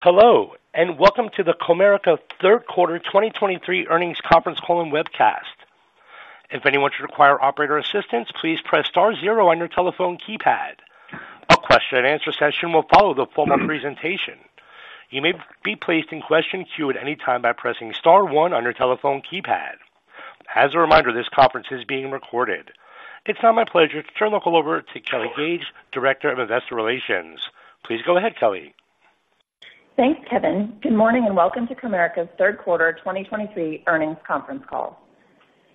Hello, and welcome to the Comerica Q3 2023 Earnings Conference Call and Webcast. If anyone should require operator assistance, please press star zero on your telephone keypad. A question-and-answer session will follow the formal presentation. You may be placed in question queue at any time by pressing star one on your telephone keypad. As a reminder, this conference is being recorded. It's now my pleasure to turn the call over to Kelly Gage, Director of Investor Relations. Please go ahead, Kelly. Thanks, Kevin. Good morning, and welcome to Comerica's Q3 2023 earnings conference call.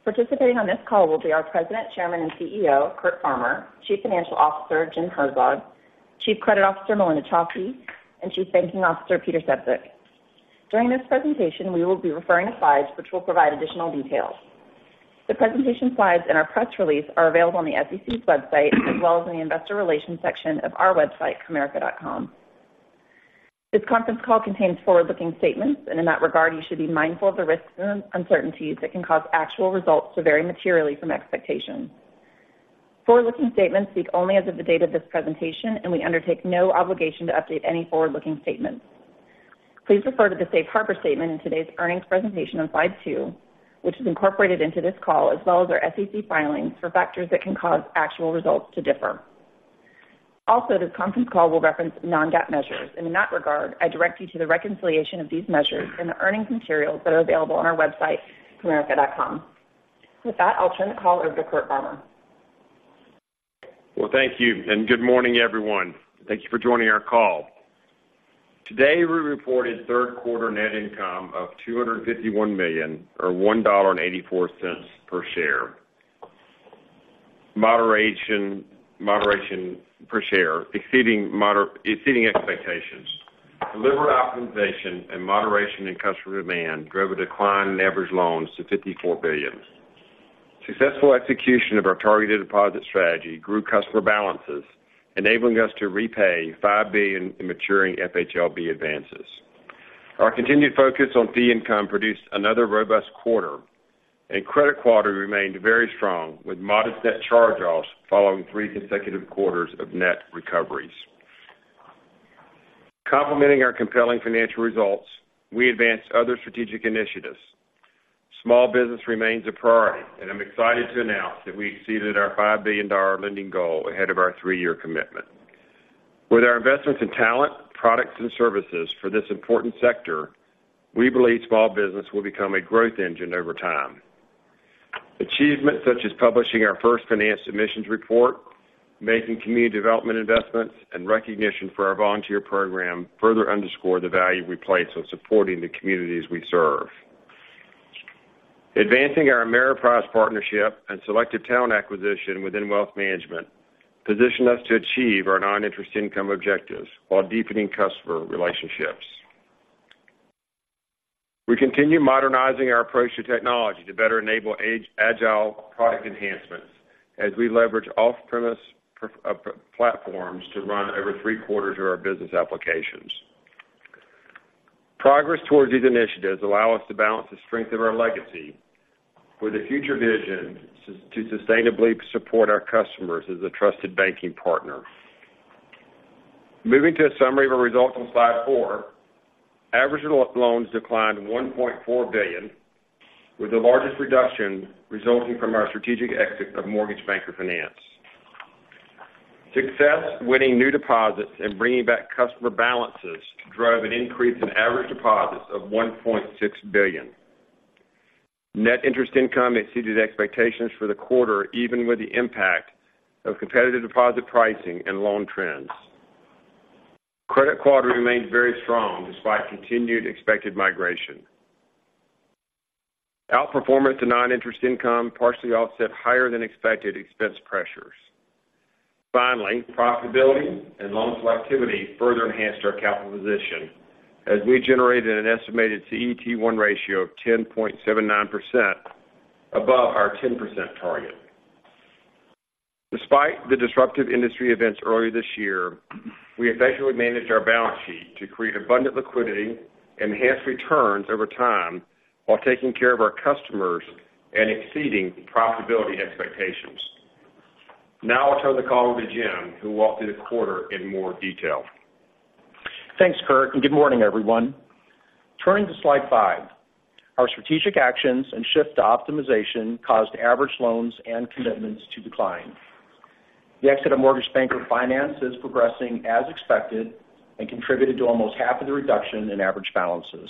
Participating on this call will be our President, Chairman, and CEO, Curt Farmer; Chief Financial Officer, Jim Herzog; Chief Credit Officer, Melinda Chausse, and Chief Banking Officer, Peter Sefzik. During this presentation, we will be referring to slides, which will provide additional details. The presentation slides and our press release are available on the SEC's website, as well as in the investor relations section of our website, comerica.com. This conference call contains forward-looking statements, and in that regard, you should be mindful of the risks and uncertainties that can cause actual results to vary materially from expectations. Forward-looking statements speak only as of the date of this presentation, and we undertake no obligation to update any forward-looking statements. Please refer to the safe harbor statement in today's earnings presentation on slide two, which is incorporated into this call, as well as our SEC filings for factors that can cause actual results to differ. Also, this conference call will reference non-GAAP measures. In that regard, I direct you to the reconciliation of these measures in the earnings materials that are available on our website, comerica.com. With that, I'll turn the call over to Curt Farmer. Well, thank you, and good morning, everyone. Thank you for joining our call. Today, we reported Q3 net income of $251 million or $1.84 per share, exceeding expectations. Delivered optimization and moderation in customer demand drove a decline in average loans to $54 billion. Successful execution of our targeted deposit strategy grew customer balances, enabling us to repay $5 billion in maturing FHLB advances. Our continued focus on fee income produced another robust quarter, and credit quality remained very strong, with modest net charge-offs following three consecutive quarters of net recoveries. Complementing our compelling financial results, we advanced other strategic initiatives. Small business remains a priority, and I'm excited to announce that we exceeded our $5 billion lending goal ahead of our three year commitment. With our investments in talent, products, and services for this important sector, we believe small business will become a growth engine over time. Achievements such as publishing our first finance emissions report, making community development investments, and recognition for our volunteer program further underscore the value we place on supporting the communities we serve. Advancing our Ameriprise partnership and selective talent acquisition within wealth management positioned us to achieve our non-interest income objectives while deepening customer relationships. We continue modernizing our approach to technology to better enable agile product enhancements as we leverage off-premise platforms to run over three-quarters of our business applications. Progress towards these initiatives allow us to balance the strength of our legacy with a future vision suited to sustainably support our customers as a trusted banking partner. Moving to a summary of our results on slide four, average loans declined $1.4 billion, with the largest reduction resulting from our strategic exit of Mortgage Banker Finance. Success winning new deposits and bringing back customer balances drove an increase in average deposits of $1.6 billion. Net interest income exceeded expectations for the quarter, even with the impact of competitive deposit pricing and loan trends. Credit quality remained very strong despite continued expected migration. Outperformance to non-interest income partially offset higher-than-expected expense pressures. Finally, profitability and loan selectivity further enhanced our capital position as we generated an estimated CET1 ratio of 10.79%, above our 10% target. Despite the disruptive industry events earlier this year, we effectively managed our balance sheet to create abundant liquidity, enhance returns over time, while taking care of our customers and exceeding profitability expectations. Now I'll turn the call over to Jim, who will walk through the quarter in more detail. Thanks, Curt, and good morning, everyone. Turning to slide five, our strategic actions and shift to optimization caused average loans and commitments to decline. The exit of Mortgage Banker Finance is progressing as expected and contributed to almost half of the reduction in average balances.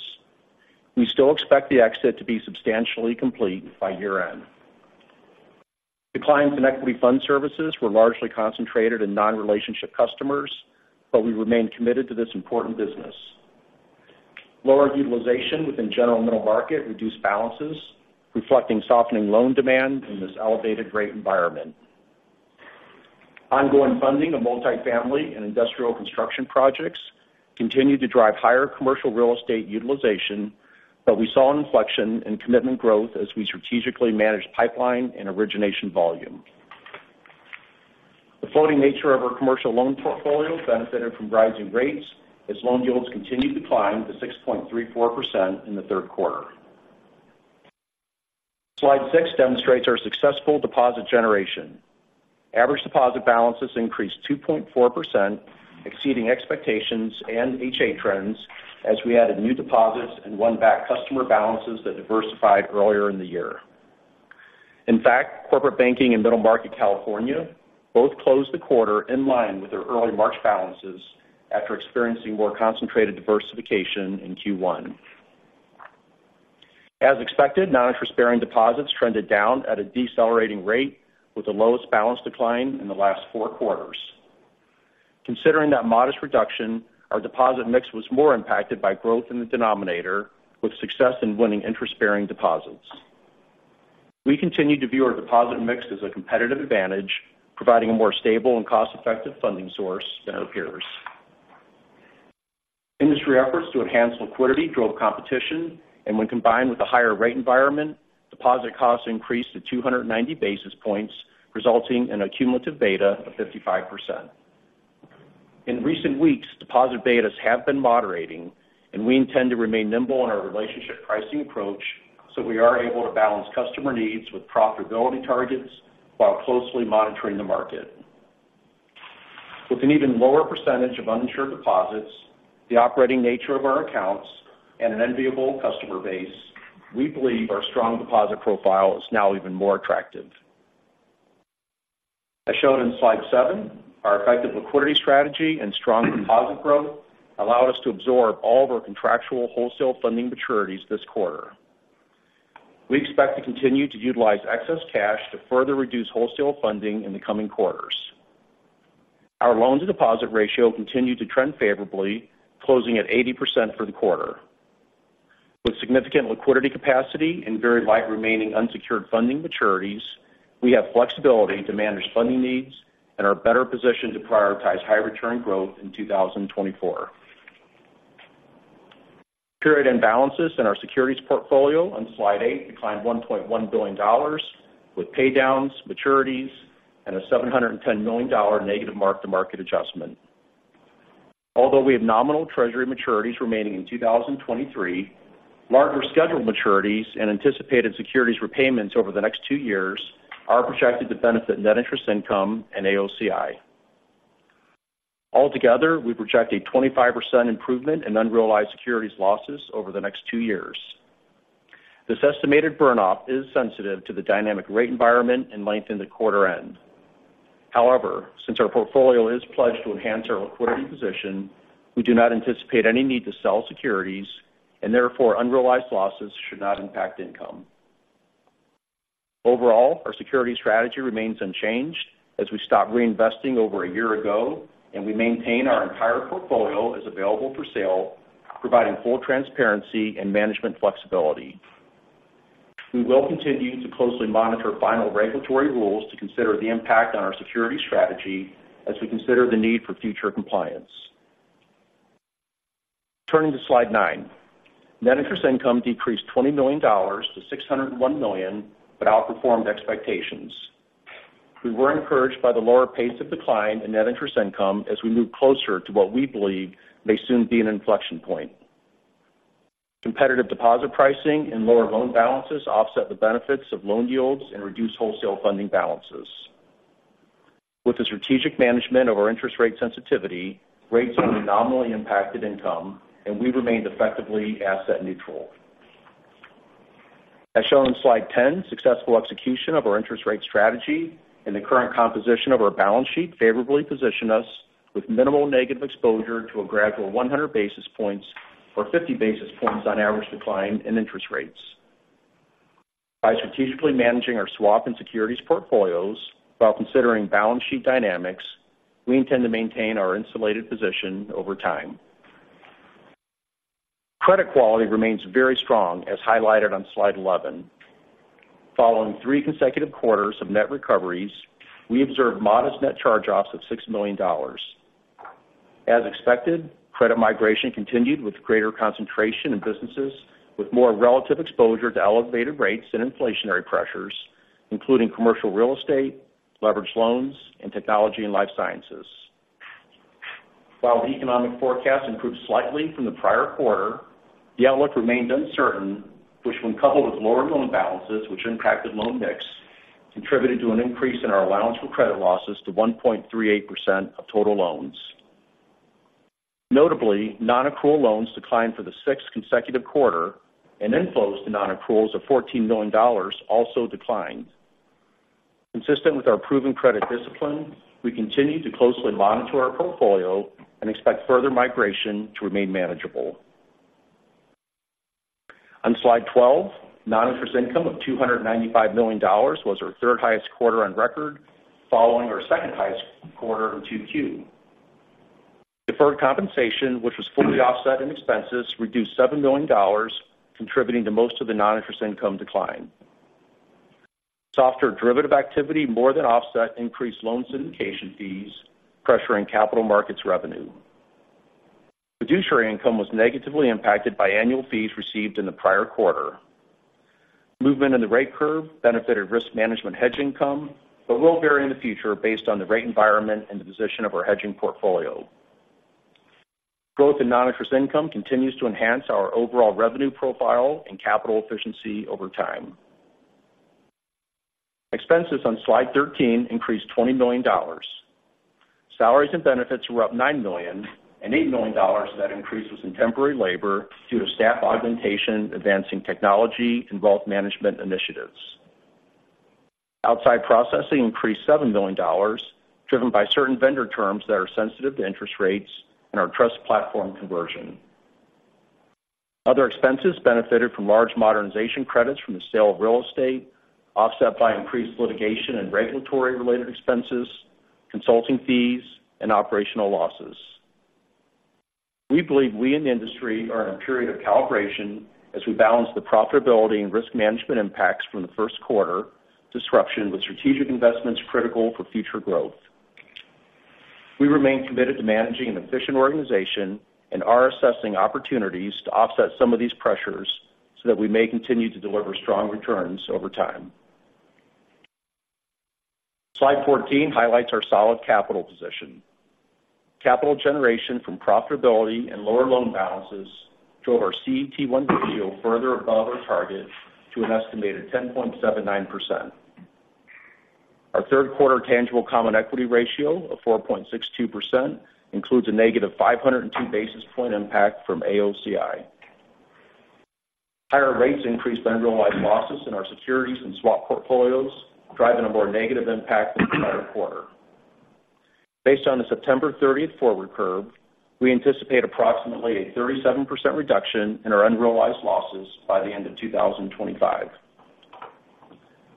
We still expect the exit to be substantially complete by year-end. Declines in equity fund services were largely concentrated in non-relationship customers, but we remain committed to this important business. Lower utilization within general middle market reduced balances, reflecting softening loan demand in this elevated rate environment. Ongoing funding of multifamily and industrial construction projects continued to drive higher commercial real estate utilization, but we saw an inflection in commitment growth as we strategically managed pipeline and origination volume. The floating nature of our commercial loan portfolio benefited from rising rates as loan yields continued to climb to 6.34% in the Q3. Slide six demonstrates our successful deposit generation. Average deposit balances increased 2.4%, exceeding expectations and HA trends as we added new deposits and won back customer balances that diversified earlier in the year. In fact, corporate banking and middle market California both closed the quarter in line with their early March balances after experiencing more concentrated diversification in Q1. As expected, non-interest-bearing deposits trended down at a decelerating rate, with the lowest balance decline in the last 4 quarters. Considering that modest reduction, our deposit mix was more impacted by growth in the denominator, with success in winning interest-bearing deposits. We continue to view our deposit mix as a competitive advantage, providing a more stable and cost-effective funding source than our peers. Industry efforts to enhance liquidity drove competition, and when combined with the higher rate environment, deposit costs increased to 290 basis points, resulting in a cumulative beta of 55%. In recent weeks, deposit betas have been moderating, and we intend to remain nimble in our relationship pricing approach so we are able to balance customer needs with profitability targets while closely monitoring the market. With an even lower percentage of uninsured deposits, the operating nature of our accounts, and an enviable customer base, we believe our strong deposit profile is now even more attractive. As shown in slide seven, our effective liquidity strategy and strong deposit growth allowed us to absorb all of our contractual wholesale funding maturities this quarter. We expect to continue to utilize excess cash to further reduce wholesale funding in the coming quarters. Our loan-to-deposit ratio continued to trend favorably, closing at 80% for the quarter. With significant liquidity capacity and very light remaining unsecured funding maturities, we have flexibility to manage funding needs and are better positioned to prioritize high return growth in 2024. Period end balances in our securities portfolio on slide eight declined $1.1 billion, with paydowns, maturities, and a $710 million negative mark-to-market adjustment. Although we have nominal treasury maturities remaining in 2023, larger scheduled maturities and anticipated securities repayments over the next two years are projected to benefit net interest income and AOCI. Altogether, we project a 25% improvement in unrealized securities losses over the next two years. This estimated burn-off is sensitive to the dynamic rate environment and length in the quarter end. However, since our portfolio is pledged to enhance our liquidity position, we do not anticipate any need to sell securities, and therefore unrealized losses should not impact income. Overall, our security strategy remains unchanged as we stopped reinvesting over a year ago, and we maintain our entire portfolio as available for sale, providing full transparency and management flexibility. We will continue to closely monitor final regulatory rules to consider the impact on our security strategy as we consider the need for future compliance. Turning to slide nine. Net interest income decreased $20 million to $601 million, but outperformed expectations. We were encouraged by the lower pace of decline in net interest income as we move closer to what we believe may soon be an inflection point. Competitive deposit pricing and lower loan balances offset the benefits of loan yields and reduce wholesale funding balances. With the strategic management of our interest rate sensitivity, rates have nominally impacted income, and we remained effectively asset neutral. As shown in slide 10, successful execution of our interest rate strategy and the current composition of our balance sheet favorably position us with minimal negative exposure to a gradual 100 basis points or 50 basis points on average decline in interest rates. By strategically managing our swap and securities portfolios while considering balance sheet dynamics, we intend to maintain our insulated position over time. Credit quality remains very strong, as highlighted on slide 11. Following three consecutive quarters of net recoveries, we observed modest net charge-offs of $6 million. As expected, credit migration continued with greater concentration in businesses with more relative exposure to elevated rates and inflationary pressures, including commercial real estate, leveraged loans, and technology and life sciences. While the economic forecast improved slightly from the prior quarter, the outlook remained uncertain, which, when coupled with lower loan balances, which impacted loan mix, contributed to an increase in our allowance for credit losses to 1.38% of total loans. Notably, nonaccrual loans declined for the sixth consecutive quarter, and inflows to nonaccruals of $14 million also declined. Consistent with our proven credit discipline, we continue to closely monitor our portfolio and expect further migration to remain manageable. On slide 12, non-interest income of $295 million was our third highest quarter on record, following our second highest quarter in 2Q. Deferred compensation, which was fully offset in expenses, reduced $7 million, contributing to most of the non-interest income decline. Softer derivative activity more than offset increased loan syndication fees, pressuring capital markets revenue. Fiduciary income was negatively impacted by annual fees received in the prior quarter. Movement in the rate curve benefited risk management hedge income, but will vary in the future based on the rate environment and the position of our hedging portfolio.... Growth in non-interest income continues to enhance our overall revenue profile and capital efficiency over time. Expenses on slide 13 increased $20 million. Salaries and benefits were up $9 million and $8 million of that increase was in temporary labor due to staff augmentation, advancing technology, and wealth management initiatives. Outside processing increased $7 million, driven by certain vendor terms that are sensitive to interest rates and our trust platform conversion. Other expenses benefited from large modernization credits from the sale of real estate, offset by increased litigation and regulatory-related expenses, consulting fees, and operational losses. We believe we in the industry are in a period of calibration as we balance the profitability and risk management impacts from the Q1 disruption with strategic investments critical for future growth. We remain committed to managing an efficient organization and are assessing opportunities to offset some of these pressures so that we may continue to deliver strong returns over time. Slide 14 highlights our solid capital position. Capital generation from profitability and lower loan balances drove our CET1 ratio further above our target to an estimated 10.79%. Our Q3 tangible common equity ratio of 4.62% includes a negative 502 basis point impact from AOCI. Higher rates increased unrealized losses in our securities and swap portfolios, driving a more negative impact than the prior quarter. Based on the September 30th forward curve, we anticipate approximately a 37% reduction in our unrealized losses by the end of 2025.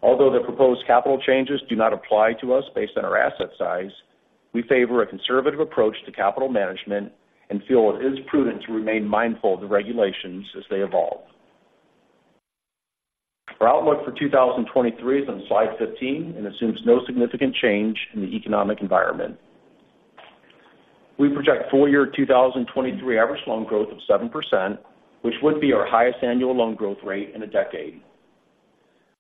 Although the proposed capital changes do not apply to us based on our asset size, we favor a conservative approach to capital management and feel it is prudent to remain mindful of the regulations as they evolve. Our outlook for 2023 is on slide 15 and assumes no significant change in the economic environment. We project full year 2023 average loan growth of 7%, which would be our highest annual loan growth rate in a decade.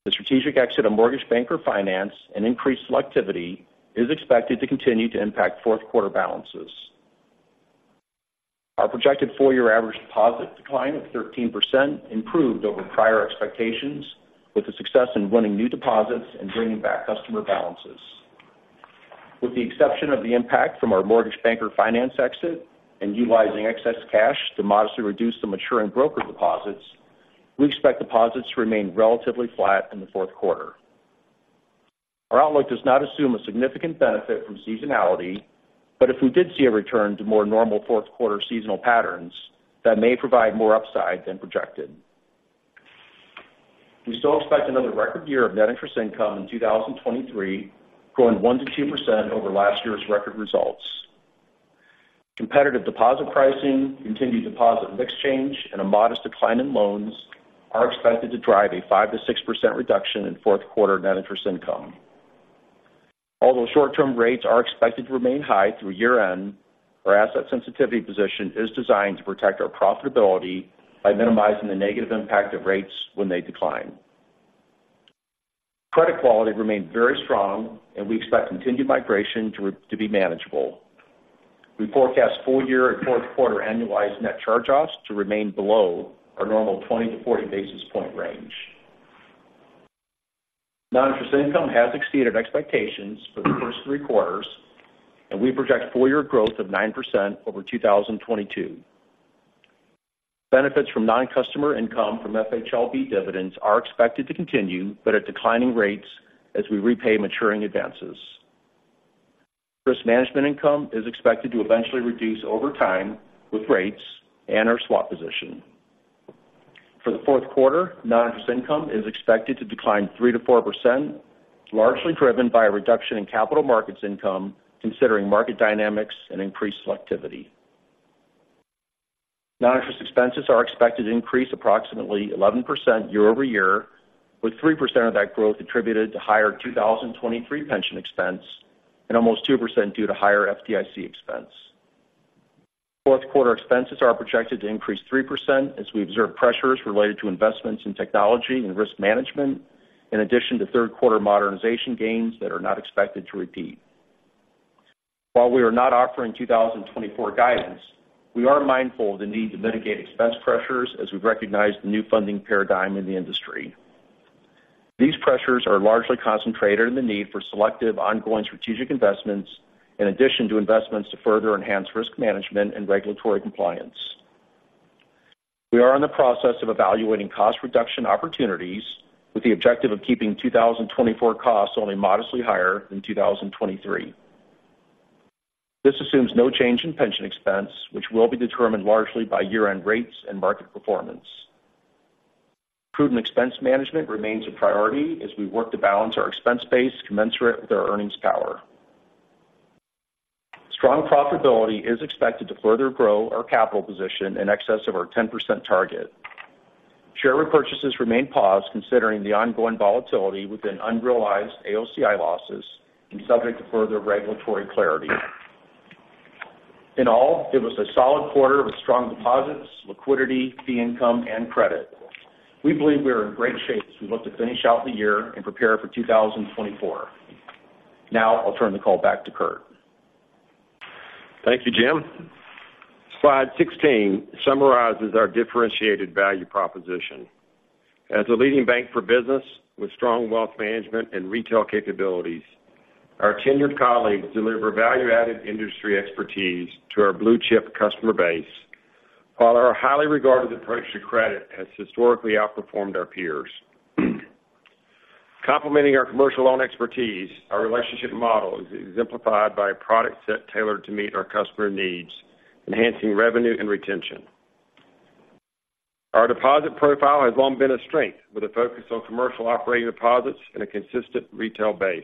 The strategic exit of Mortgage Banker Finance and increased selectivity is expected to continue to impact Q4 balances. Our projected full-year average deposit decline of 13% improved over prior expectations, with the success in winning new deposits and bringing back customer balances. With the exception of the impact from our Mortgage Banker Finance exit and utilizing excess cash to modestly reduce the maturing broker deposits, we expect deposits to remain relatively flat in the Q4. Our outlook does not assume a significant benefit from seasonality, but if we did see a return to more normal Q4 seasonal patterns, that may provide more upside than projected. We still expect another record year of net interest income in 2023, growing 1%-2% over last year's record results. Competitive deposit pricing, continued deposit mix change, and a modest decline in loans are expected to drive a 5%-6% reduction in Q4 net interest income. Although short-term rates are expected to remain high through year-end, our asset sensitivity position is designed to protect our profitability by minimizing the negative impact of rates when they decline. Credit quality remained very strong, and we expect continued migration to be manageable. We forecast full year and Q4 annualized net charge-offs to remain below our normal 20-40 basis point range. Non-interest income has exceeded expectations for the first three quarters, and we project full year growth of 9% over 2022. Benefits from non-customer income from FHLB dividends are expected to continue, but at declining rates as we repay maturing advances. Risk management income is expected to eventually reduce over time with rates and our swap position. For the Q4, non-interest income is expected to decline 3%-4%, largely driven by a reduction in capital markets income, considering market dynamics and increased selectivity. Non-interest expenses are expected to increase approximately 11% year-over-year, with 3% of that growth attributed to higher 2023 pension expense and almost 2% due to higher FDIC expense. Q4 expenses are projected to increase 3% as we observe pressures related to investments in technology and risk management, in addition to Q3 modernization gains that are not expected to repeat. While we are not offering 2024 guidance, we are mindful of the need to mitigate expense pressures as we recognize the new funding paradigm in the industry. These pressures are largely concentrated in the need for selective, ongoing strategic investments, in addition to investments to further enhance risk management and regulatory compliance. We are in the process of evaluating cost reduction opportunities with the objective of keeping 2024 costs only modestly higher than 2023. This assumes no change in pension expense, which will be determined largely by year-end rates and market performance. Prudent expense management remains a priority as we work to balance our expense base commensurate with our earnings power. Strong profitability is expected to further grow our capital position in excess of our 10% target. Share repurchases remain paused, considering the ongoing volatility within unrealized AOCI losses and subject to further regulatory clarity. In all, it was a solid quarter with strong deposits, liquidity, fee income, and credit. We believe we are in great shape as we look to finish out the year and prepare for 2024.... Now I'll turn the call back to Curt. Thank you, Jim. Slide 16 summarizes our differentiated value proposition. As a leading bank for business with strong wealth management and retail capabilities, our tenured colleagues deliver value-added industry expertise to our blue-chip customer base, while our highly regarded approach to credit has historically outperformed our peers. Complementing our commercial loan expertise, our relationship model is exemplified by a product set tailored to meet our customer needs, enhancing revenue and retention. Our deposit profile has long been a strength, with a focus on commercial operating deposits and a consistent retail base.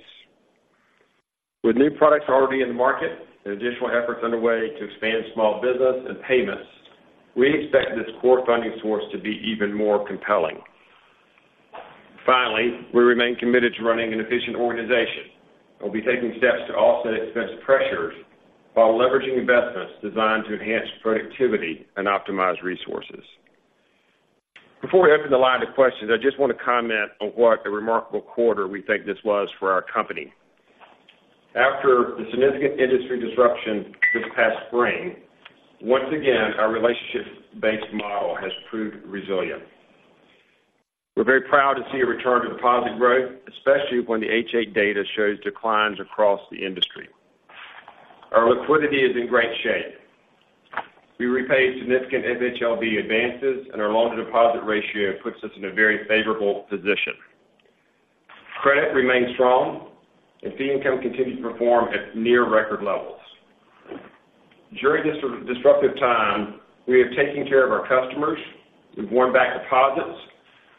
With new products already in the market and additional efforts underway to expand small business and payments, we expect this core funding source to be even more compelling. Finally, we remain committed to running an efficient organization and we'll be taking steps to offset expense pressures while leveraging investments designed to enhance productivity and optimize resources. Before we open the line of questions, I just want to comment on what a remarkable quarter we think this was for our company. After the significant industry disruption this past spring, once again, our relationship-based model has proved resilient. We're very proud to see a return to deposit growth, especially when the HA data shows declines across the industry. Our liquidity is in great shape. We repaid significant FHLB advances, and our loan-to-deposit ratio puts us in a very favorable position. Credit remains strong, and fee income continues to perform at near record levels. During this sort of disruptive time, we have taken care of our customers. We've won back deposits.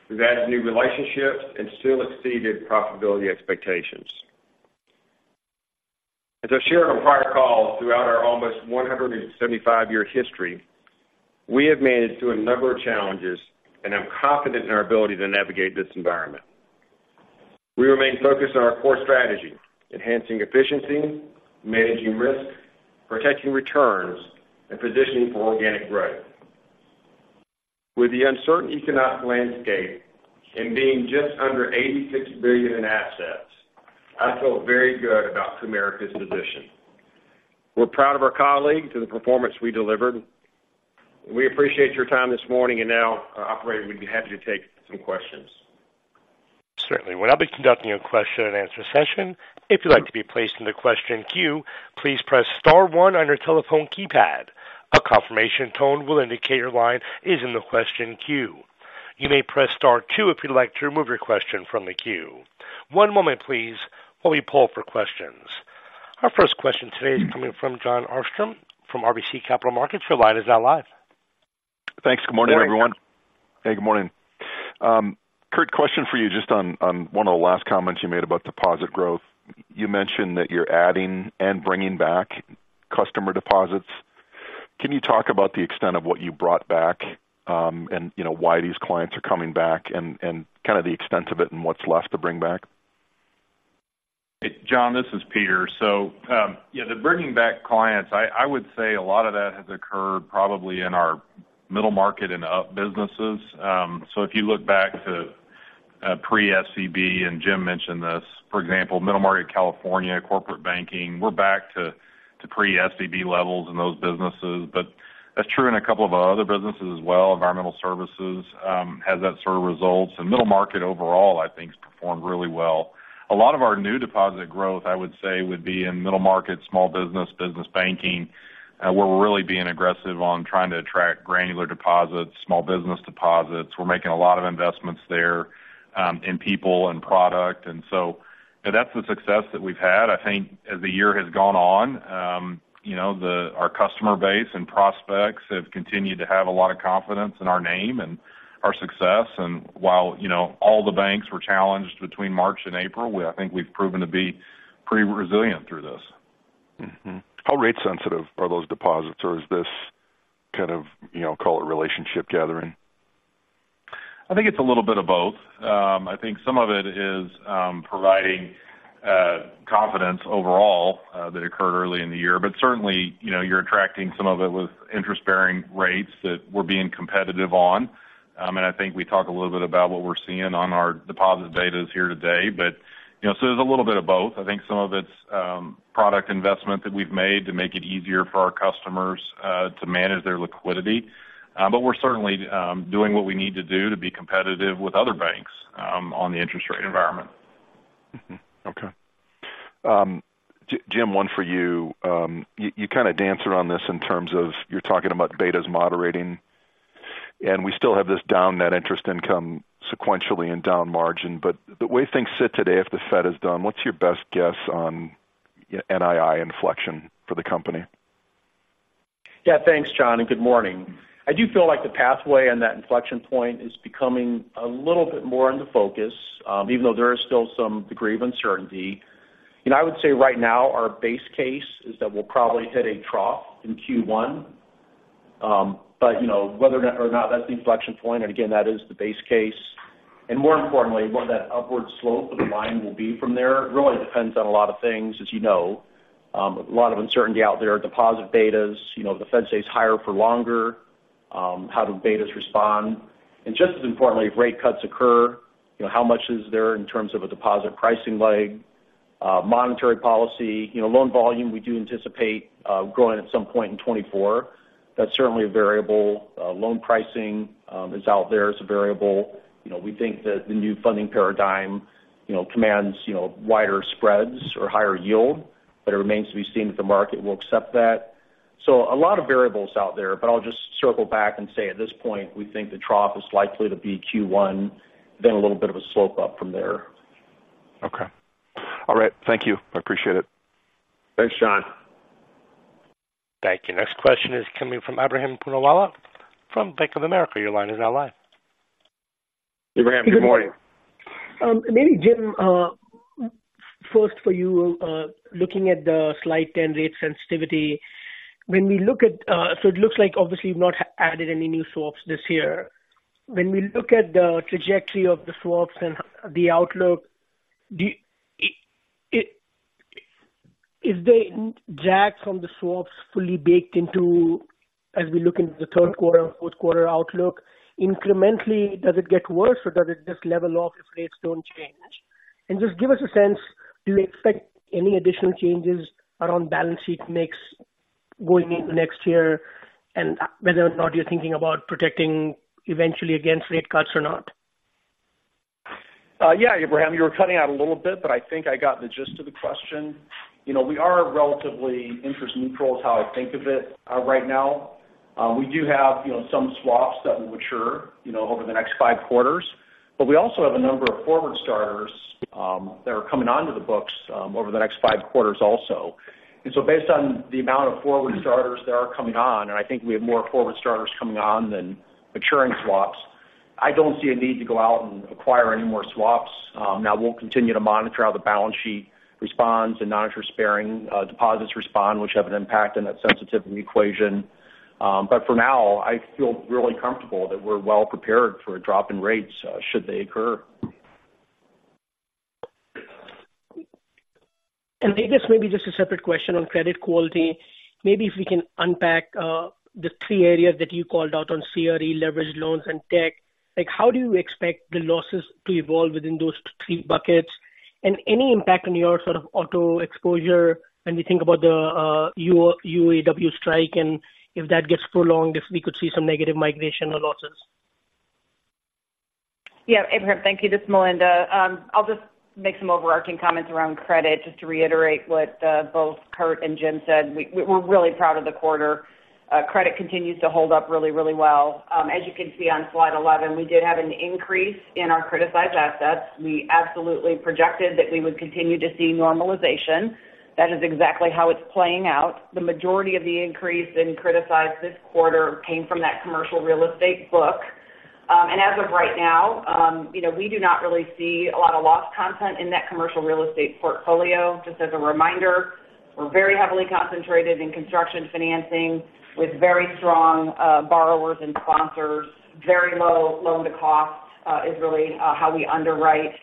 We've added new relationships and still exceeded profitability expectations. As I've shared on prior calls, throughout our almost 175-year history, we have managed through a number of challenges and I'm confident in our ability to navigate this environment. We remain focused on our core strategy, enhancing efficiency, managing risk, protecting returns, and positioning for organic growth. With the uncertain economic landscape and being just under $86 billion in assets, I feel very good about Comerica's position. We're proud of our colleagues and the performance we delivered. We appreciate your time this morning, and now, operator, we'd be happy to take some questions. Certainly. Well, I'll be conducting a question-and-answer session. If you'd like to be placed in the question queue, please press star one on your telephone keypad. A confirmation tone will indicate your line is in the question queue. You may press star two if you'd like to remove your question from the queue. One moment please, while we poll for questions. Our first question today is coming from Jon Arfstrom from RBC Capital Markets, your line is now live. Thanks. Good morning, everyone. Good morning. Hey, good morning. Curt, question for you, just on one of the last comments you made about deposit growth. You mentioned that you're adding and bringing back customer deposits. Can you talk about the extent of what you brought back, and, you know, why these clients are coming back and kind of the extent of it and what's left to bring back? Hey, Jon, this is Peter. So, yeah, the bringing back clients, I would say a lot of that has occurred probably in our middle market and up businesses. So if you look back to pre-SCB, and Jim mentioned this, for example, middle market California, corporate banking, we're back to pre-SCB levels in those businesses. But that's true in a couple of our other businesses as well. Environmental services has that sort of results. And middle market overall, I think, has performed really well. A lot of our new deposit growth, I would say, would be in middle market, small business, business banking. We're really being aggressive on trying to attract granular deposits, small business deposits. We're making a lot of investments there in people and product. And so that's the success that we've had. I think as the year has gone on, you know, the, our customer base and prospects have continued to have a lot of confidence in our name and our success. And while, you know, all the banks were challenged between March and April, I think we've proven to be pretty resilient through this. Mm-hmm. How rate sensitive are those deposits, or is this kind of, you know, call it relationship gathering? I think it's a little bit of both. I think some of it is providing confidence overall that occurred early in the year. But certainly, you know, you're attracting some of it with interest-bearing rates that we're being competitive on. And I think we talked a little bit about what we're seeing on our deposit data here today. But, you know, so there's a little bit of both. I think some of it's product investment that we've made to make it easier for our customers to manage their liquidity. But we're certainly doing what we need to do to be competitive with other banks on the interest rate environment. Mm-hmm. Okay. Jim, one for you. You kind of danced around this in terms of you're talking about betas moderating, and we still have this down net interest income sequentially and down margin. But the way things sit today, if the Fed is done, what's your best guess on NII inflection for the company? Yeah. Thanks, Jon, and good morning. I do feel like the pathway on that inflection point is becoming a little bit more into focus, even though there is still some degree of uncertainty. You know, I would say right now, our base case is that we'll probably hit a trough in Q1. But, you know, whether or not that's the inflection point, and again, that is the base case, and more importantly, what that upward slope of the line will be from there, really depends on a lot of things, as you know. A lot of uncertainty out there. Deposit betas, you know, the Fed stays higher for longer. How do betas respond? And just as importantly, if rate cuts occur, you know, how much is there in terms of a deposit pricing lag? Monetary policy, you know, loan volume, we do anticipate growing at some point in 2024. That's certainly a variable. Loan pricing is out there as a variable. You know, we think that the new funding paradigm, you know, commands, you know, wider spreads or higher yield, but it remains to be seen if the market will accept that. So a lot of variables out there, but I'll just circle back and say, at this point, we think the trough is likely to be Q1, then a little bit of a slope up from there. Okay. All right. Thank you. I appreciate it. Thanks, Jon. Thank you. Next question is coming from Ebrahim Poonawala from Bank of America. Your line is now live. Ebrahim, good morning. Maybe, Jim, first for you, looking at the Slide 10 rate sensitivity, so it looks like obviously you've not added any new swaps this year. When we look at the trajectory of the swaps and the outlook, is the impact from the swaps fully baked in as we look into the Q3 and Q4 outlook? Incrementally, does it get worse, or does it just level off if rates don't change? And just give us a sense, do you expect any additional changes around balance sheet mix going into next year, and whether or not you're thinking about protecting eventually against rate cuts or not? Yeah, Ebrahim, you were cutting out a little bit, but I think I got the gist of the question. You know, we are relatively interest neutral is how I think of it, right now. We do have, you know, some swaps that will mature, you know, over the next five quarters, but we also have a number of forward-starting that are coming onto the books, over the next five quarters also. So based on the amount of forward-starting that are coming on, and I think we have more forward-starting coming on than maturing swaps, I don't see a need to go out and acquire any more swaps. Now we'll continue to monitor how the balance sheet responds and monitor bearing deposits respond, which have an impact on that sensitivity equation. But for now, I feel really comfortable that we're well prepared for a drop in rates, should they occur. And I guess maybe just a separate question on credit quality. Maybe if we can unpack the three areas that you called out on CRE, leveraged loans, and tech. Like, how do you expect the losses to evolve within those three buckets? And any impact on your sort of auto exposure when we think about the UAW strike, and if that gets prolonged, if we could see some negative migration or losses? Yeah, Abraham, thank you. This is Melinda. I'll just make some overarching comments around credit, just to reiterate what both Curt and Jim said. We're really proud of the quarter. Credit continues to hold up really, really well. As you can see on slide 11, we did have an increase in our criticized assets. We absolutely projected that we would continue to see normalization. That is exactly how it's playing out. The majority of the increase in criticized this quarter came from that commercial real estate book. And as of right now, you know, we do not really see a lot of loss content in that commercial real estate portfolio. Just as a reminder, we're very heavily concentrated in construction financing with very strong borrowers and sponsors. Very low loan-to-cost is really how we underwrite,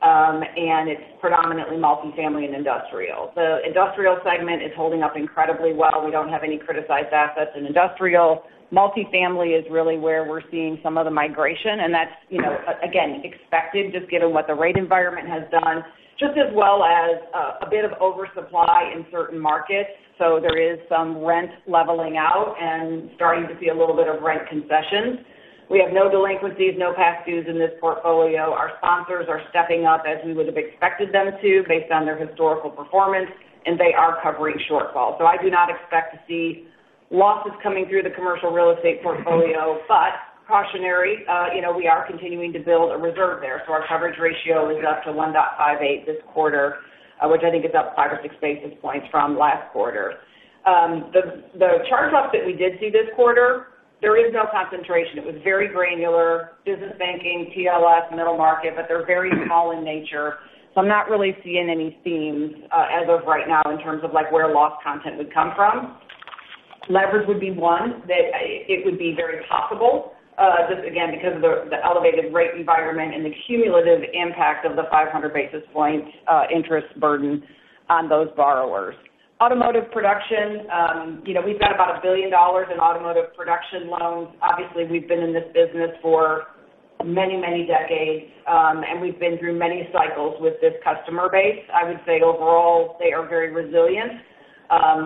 and it's predominantly multifamily and industrial. The industrial segment is holding up incredibly well. We don't have any criticized assets in industrial. Multifamily is really where we're seeing some of the migration, and that's, you know, again, expected, just given what the rate environment has done, just as well as a bit of oversupply in certain markets. So there is some rent leveling out and starting to see a little bit of rent concessions. We have no delinquencies, no past dues in this portfolio. Our sponsors are stepping up as we would have expected them to, based on their historical performance, and they are covering shortfalls. So I do not expect to see losses coming through the commercial real estate portfolio, but cautionary, you know, we are continuing to build a reserve there, so our coverage ratio is up to 1.58 this quarter, which I think is up five or six basis points from last quarter. The charge-offs that we did see this quarter, there is no concentration. It was very granular, business banking, TLS, middle market, but they're very small in nature. So I'm not really seeing any themes, as of right now in terms of like, where loss content would come from. Leverage would be one, that it would be very possible, just again, because of the elevated rate environment and the cumulative impact of the 500 basis points, interest burden on those borrowers. Automotive production, you know, we've got about $1 billion in automotive production loans. Obviously, we've been in this business for many, many decades, and we've been through many cycles with this customer base. I would say overall, they are very resilient.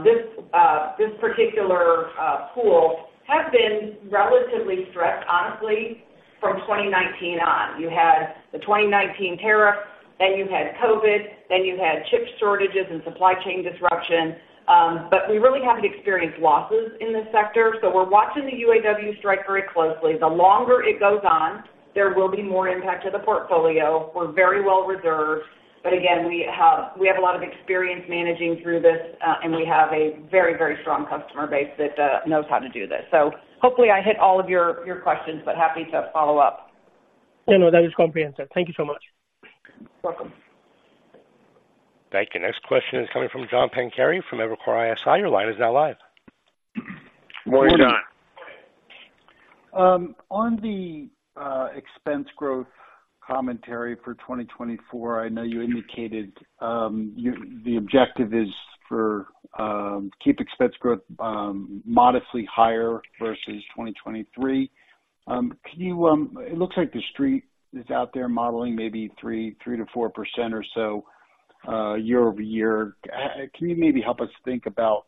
This particular pool has been relatively stressed, honestly, from 2019 on. You had the 2019 tariff, then you had COVID, then you had chip shortages and supply chain disruption, but we really haven't experienced losses in this sector. So we're watching the UAW strike very closely. The longer it goes on, there will be more impact to the portfolio. We're very well reserved, but again, we have, we have a lot of experience managing through this, and we have a very, very strong customer base that knows how to do this. Hopefully I hit all of your, your questions, but happy to follow up. No, no, that is comprehensive. Thank you so much. Welcome. Thank you. Next question is coming from John Pancari from Evercore ISI. Your line is now live. Morning, John.... On the expense growth commentary for 2024, I know you indicated the objective is for keep expense growth modestly higher versus 2023. Can you, it looks like The Street is out there modeling maybe 3%-4% or so year-over-year. Can you maybe help us think about,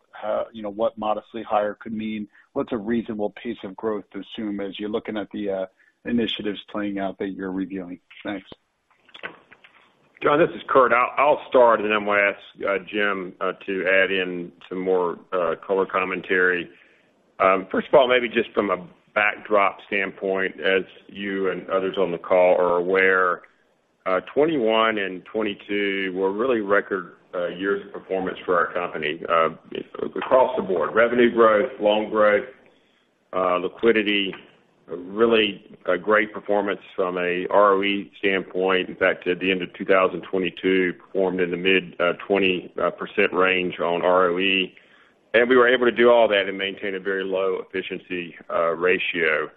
you know, what modestly higher could mean? What's a reasonable pace of growth to assume as you're looking at the initiatives playing out that you're revealing? Thanks. John, this is Curt. I'll start, and then I'm going to ask Jim to add in some more color commentary. First of all, maybe just from a backdrop standpoint, as you and others on the call are aware, 2021 and 2022 were really record years of performance for our company across the board. Revenue growth, loan growth, liquidity, really a great performance from a ROE standpoint. In fact, at the end of 2022, performed in the mid-20% range on ROE, and we were able to do all that and maintain a very low efficiency ratio.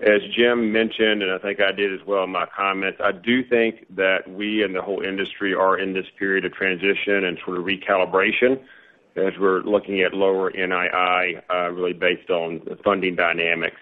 As Jim mentioned, and I think I did as well in my comments, I do think that we and the whole industry are in this period of transition and sort of recalibration as we're looking at lower NII, really based on the funding dynamics.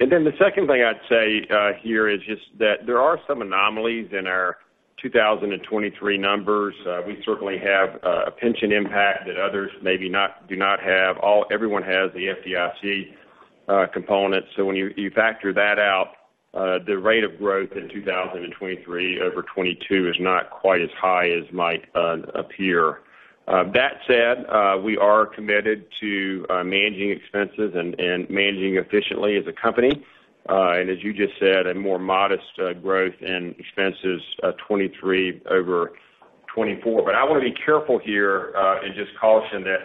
And then the second thing I'd say here is just that there are some anomalies in our 2023 numbers. We certainly have a pension impact that others maybe do not have. Everyone has the FDIC component. So when you factor that out, the rate of growth in 2023 over 2022 is not quite as high as might appear. That said, we are committed to managing expenses and managing efficiently as a company. And as you just said, a more modest growth in expenses, 2023 over 2024. But I want to be careful here, and just caution that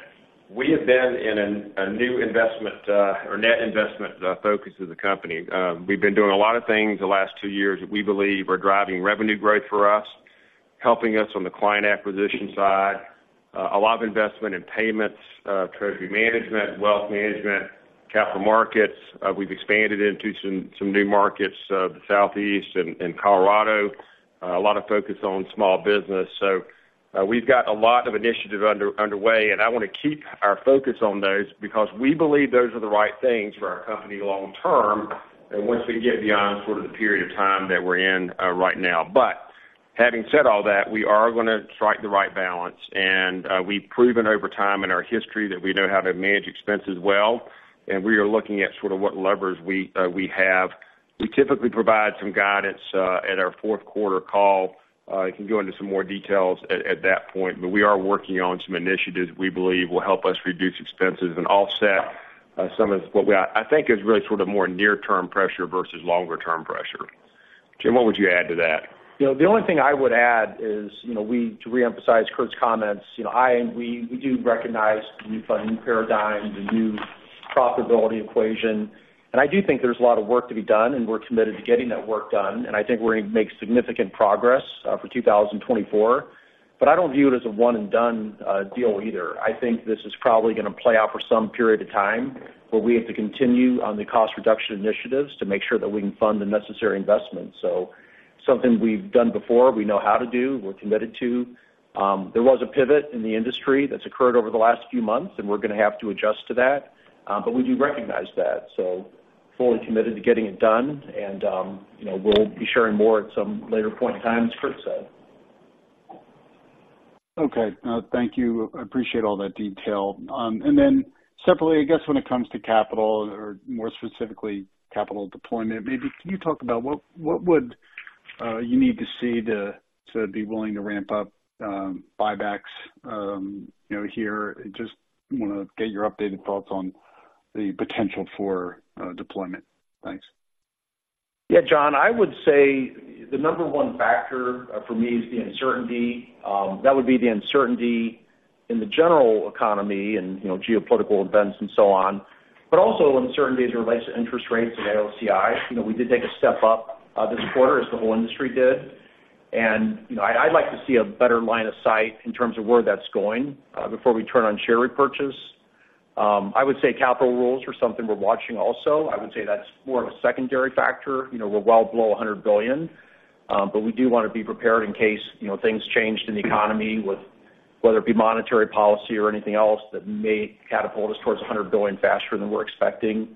we have been in a new investment, or net investment, focus as a company. We've been doing a lot of things the last two years that we believe are driving revenue growth for us, helping us on the client acquisition side, a lot of investment in payments, treasury management, wealth management, capital markets. We've expanded into some new markets, the Southeast and Colorado, a lot of focus on small business. So, we've got a lot of initiative underway, and I want to keep our focus on those because we believe those are the right things for our company long term, and once we get beyond sort of the period of time that we're in right now. But having said all that, we are going to strike the right balance, and we've proven over time in our history that we know how to manage expenses well, and we are looking at sort of what levers we have. We typically provide some guidance at our Q4 call. I can go into some more details at that point, but we are working on some initiatives we believe will help us reduce expenses and offset some of what we—I think is really sort of more near-term pressure versus longer-term pressure. Jim, what would you add to that? You know, the only thing I would add is, you know, we, to reemphasize Curt's comments, you know, I, we, we do recognize the new funding paradigm, the new profitability equation. And I do think there's a lot of work to be done, and we're committed to getting that work done. And I think we're going to make significant progress for 2024. But I don't view it as a one-and-done deal either. I think this is probably going to play out for some period of time, but we have to continue on the cost reduction initiatives to make sure that we can fund the necessary investments. So something we've done before, we know how to do, we're committed to. There was a pivot in the industry that's occurred over the last few months, and we're going to have to adjust to that. But we do recognize that, so fully committed to getting it done. And, you know, we'll be sharing more at some later point in time, as Curt said. Okay. Thank you. I appreciate all that detail. And then separately, I guess, when it comes to capital or more specifically, capital deployment, maybe can you talk about what, what would you need to see to, to be willing to ramp up, buybacks, you know, here? Just want to get your updated thoughts on the potential for, deployment. Thanks. Yeah, John, I would say the number one factor for me is the uncertainty. That would be the uncertainty in the general economy and, you know, geopolitical events and so on, but also uncertainty as it relates to interest rates and AOCI. You know, we did take a step up this quarter, as the whole industry did. And, you know, I'd like to see a better line of sight in terms of where that's going before we turn on share repurchase. I would say capital rules are something we're watching also. I would say that's more of a secondary factor. You know, we're well below $100 billion, but we do want to be prepared in case, you know, things changed in the economy with whether it be monetary policy or anything else that may catapult us towards $100 billion faster than we're expecting.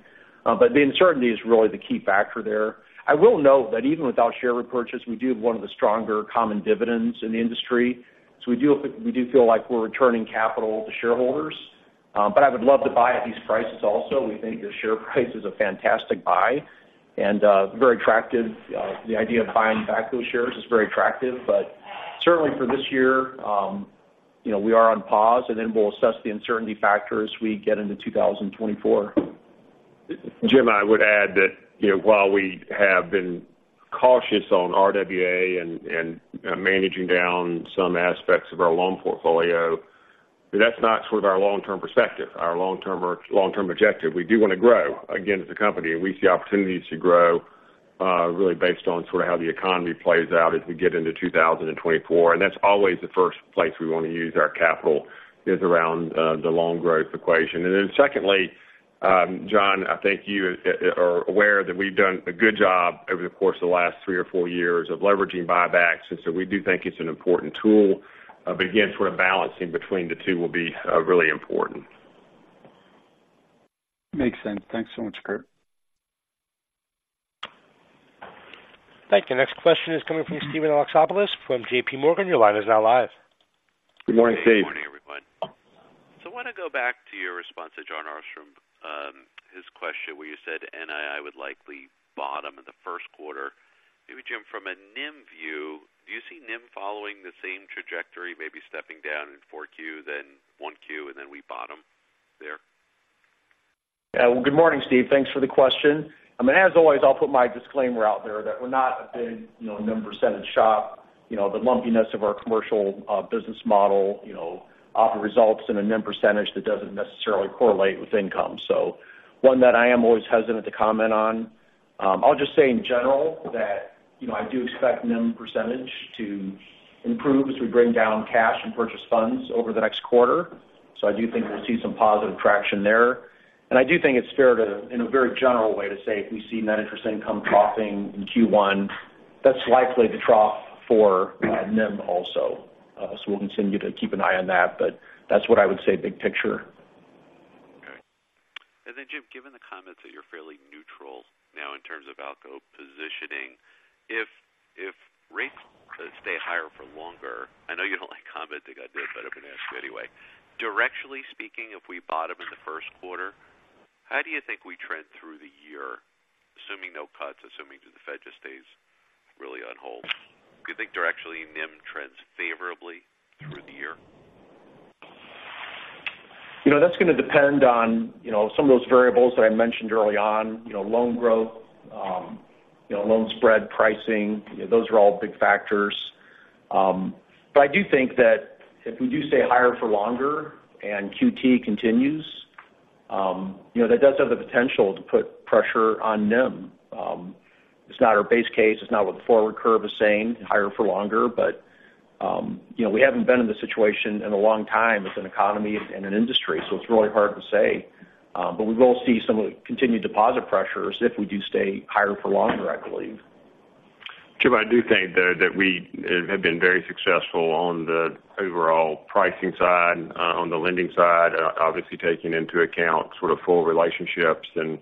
But the uncertainty is really the key factor there. I will note that even without share repurchase, we do have one of the stronger common dividends in the industry, so we do feel, we do feel like we're returning capital to shareholders. But I would love to buy at these prices also. We think the share price is a fantastic buy and, very attractive. The idea of buying back those shares is very attractive. But certainly for this year, you know, we are on pause, and then we'll assess the uncertainty factor as we get into 2024. Jim, I would add that, you know, while we have been cautious on RWA and managing down some aspects of our loan portfolio, that's not sort of our long-term perspective, our long-term objective. We do want to grow again as a company, and we see opportunities to grow, really based on sort of how the economy plays out as we get into 2024. And that's always the first place we want to use our capital, is around the loan growth equation. And then secondly, John, I think you are aware that we've done a good job over the course of the last three or four years of leveraging buybacks, and so we do think it's an important tool. But again, sort of balancing between the two will be really important. Makes sense. Thanks so much, Curt. Thank you. Next question is coming from Steven Alexopoulos from JPMorgan. Your line is now live. Good morning, Steve. Good morning, everyone. So I want to go back to your response to Jon Arfstrom, his question, where you said NII would likely bottom in the Q1. Maybe, Jim, from a NIM view, do you see NIM following the same trajectory, maybe stepping down in 4Q, then 1Q, and then we bottom there? Yeah. Well, good morning, Steve. Thanks for the question. I mean, as always, I'll put my disclaimer out there that we're not a big, you know, NIM percentage shop. You know, the lumpiness of our commercial business model, you know, often results in a NIM percentage that doesn't necessarily correlate with income. So one that I am always hesitant to comment on. I'll just say in general that, you know, I do expect NIM percentage to improve as we bring down cash and purchase funds over the next quarter, so I do think we'll see some positive traction there. And I do think it's fair to, in a very general way, to say if we see net interest income troughing in Q1, that's likely to trough for NIM also. So we'll continue to keep an eye on that, but that's what I would say, big picture. Okay. And then, Jim, given the comments that you're fairly neutral now in terms of outgo positioning, if rates stay higher for longer, I know you don't like commenting on this, but I'm going to ask you anyway. Directionally speaking, if we bottom in the Q1, how do you think we trend through the year, assuming no cuts, assuming the Fed just stays really on hold? Do you think directionally, NIM trends favorably through the year? You know, that's going to depend on, you know, some of those variables that I mentioned early on. You know, loan growth, you know, loan spread pricing, those are all big factors. But I do think that if we do stay higher for longer and QT continues, you know, that does have the potential to put pressure on NIM. It's not our base case, it's not what the forward curve is saying, higher for longer. But, you know, we haven't been in this situation in a long time as an economy and an industry, so it's really hard to say. But we will see some of the continued deposit pressures if we do stay higher for longer, I believe. Jim, I do think, though, that we have been very successful on the overall pricing side, on the lending side, obviously, taking into account sort of full relationships and,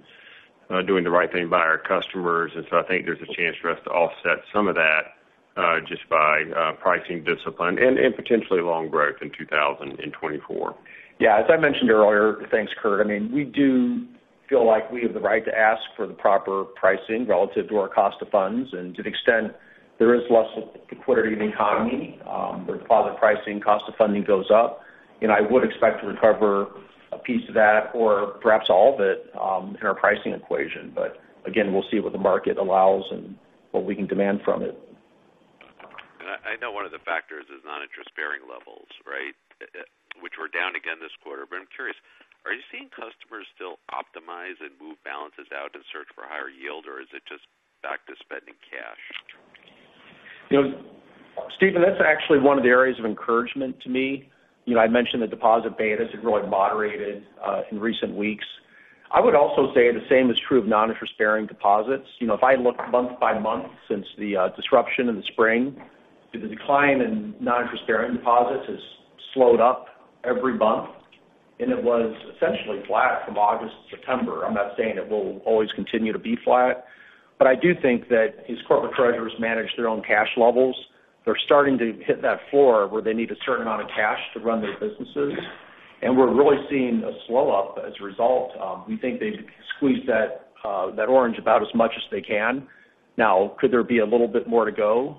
doing the right thing by our customers. And so I think there's a chance for us to offset some of that, just by, pricing discipline and, and potentially loan growth in 2024. Yeah, as I mentioned earlier, thanks, Curt. I mean, we do feel like we have the right to ask for the proper pricing relative to our cost of funds. And to the extent there is less liquidity in the economy, where deposit pricing, cost of funding goes up, and I would expect to recover a piece of that or perhaps all of it, in our pricing equation. But again, we'll see what the market allows and what we can demand from it. I know one of the factors is non-interest bearing levels, right? Which were down again this quarter. But I'm curious, are you seeing customers still optimize and move balances out in search for higher yield, or is it just back to spending cash? You know, Steven, that's actually one of the areas of encouragement to me. You know, I mentioned the deposit betas have really moderated in recent weeks. I would also say the same is true of non-interest-bearing deposits. You know, if I look month by month since the disruption in the spring, the decline in non-interest-bearing deposits has slowed up every month, and it was essentially flat from August to September. I'm not saying it will always continue to be flat, but I do think that as corporate treasurers manage their own cash levels, they're starting to hit that floor where they need a certain amount of cash to run their businesses, and we're really seeing a slow-up as a result. We think they've squeezed that orange about as much as they can. Now, could there be a little bit more to go?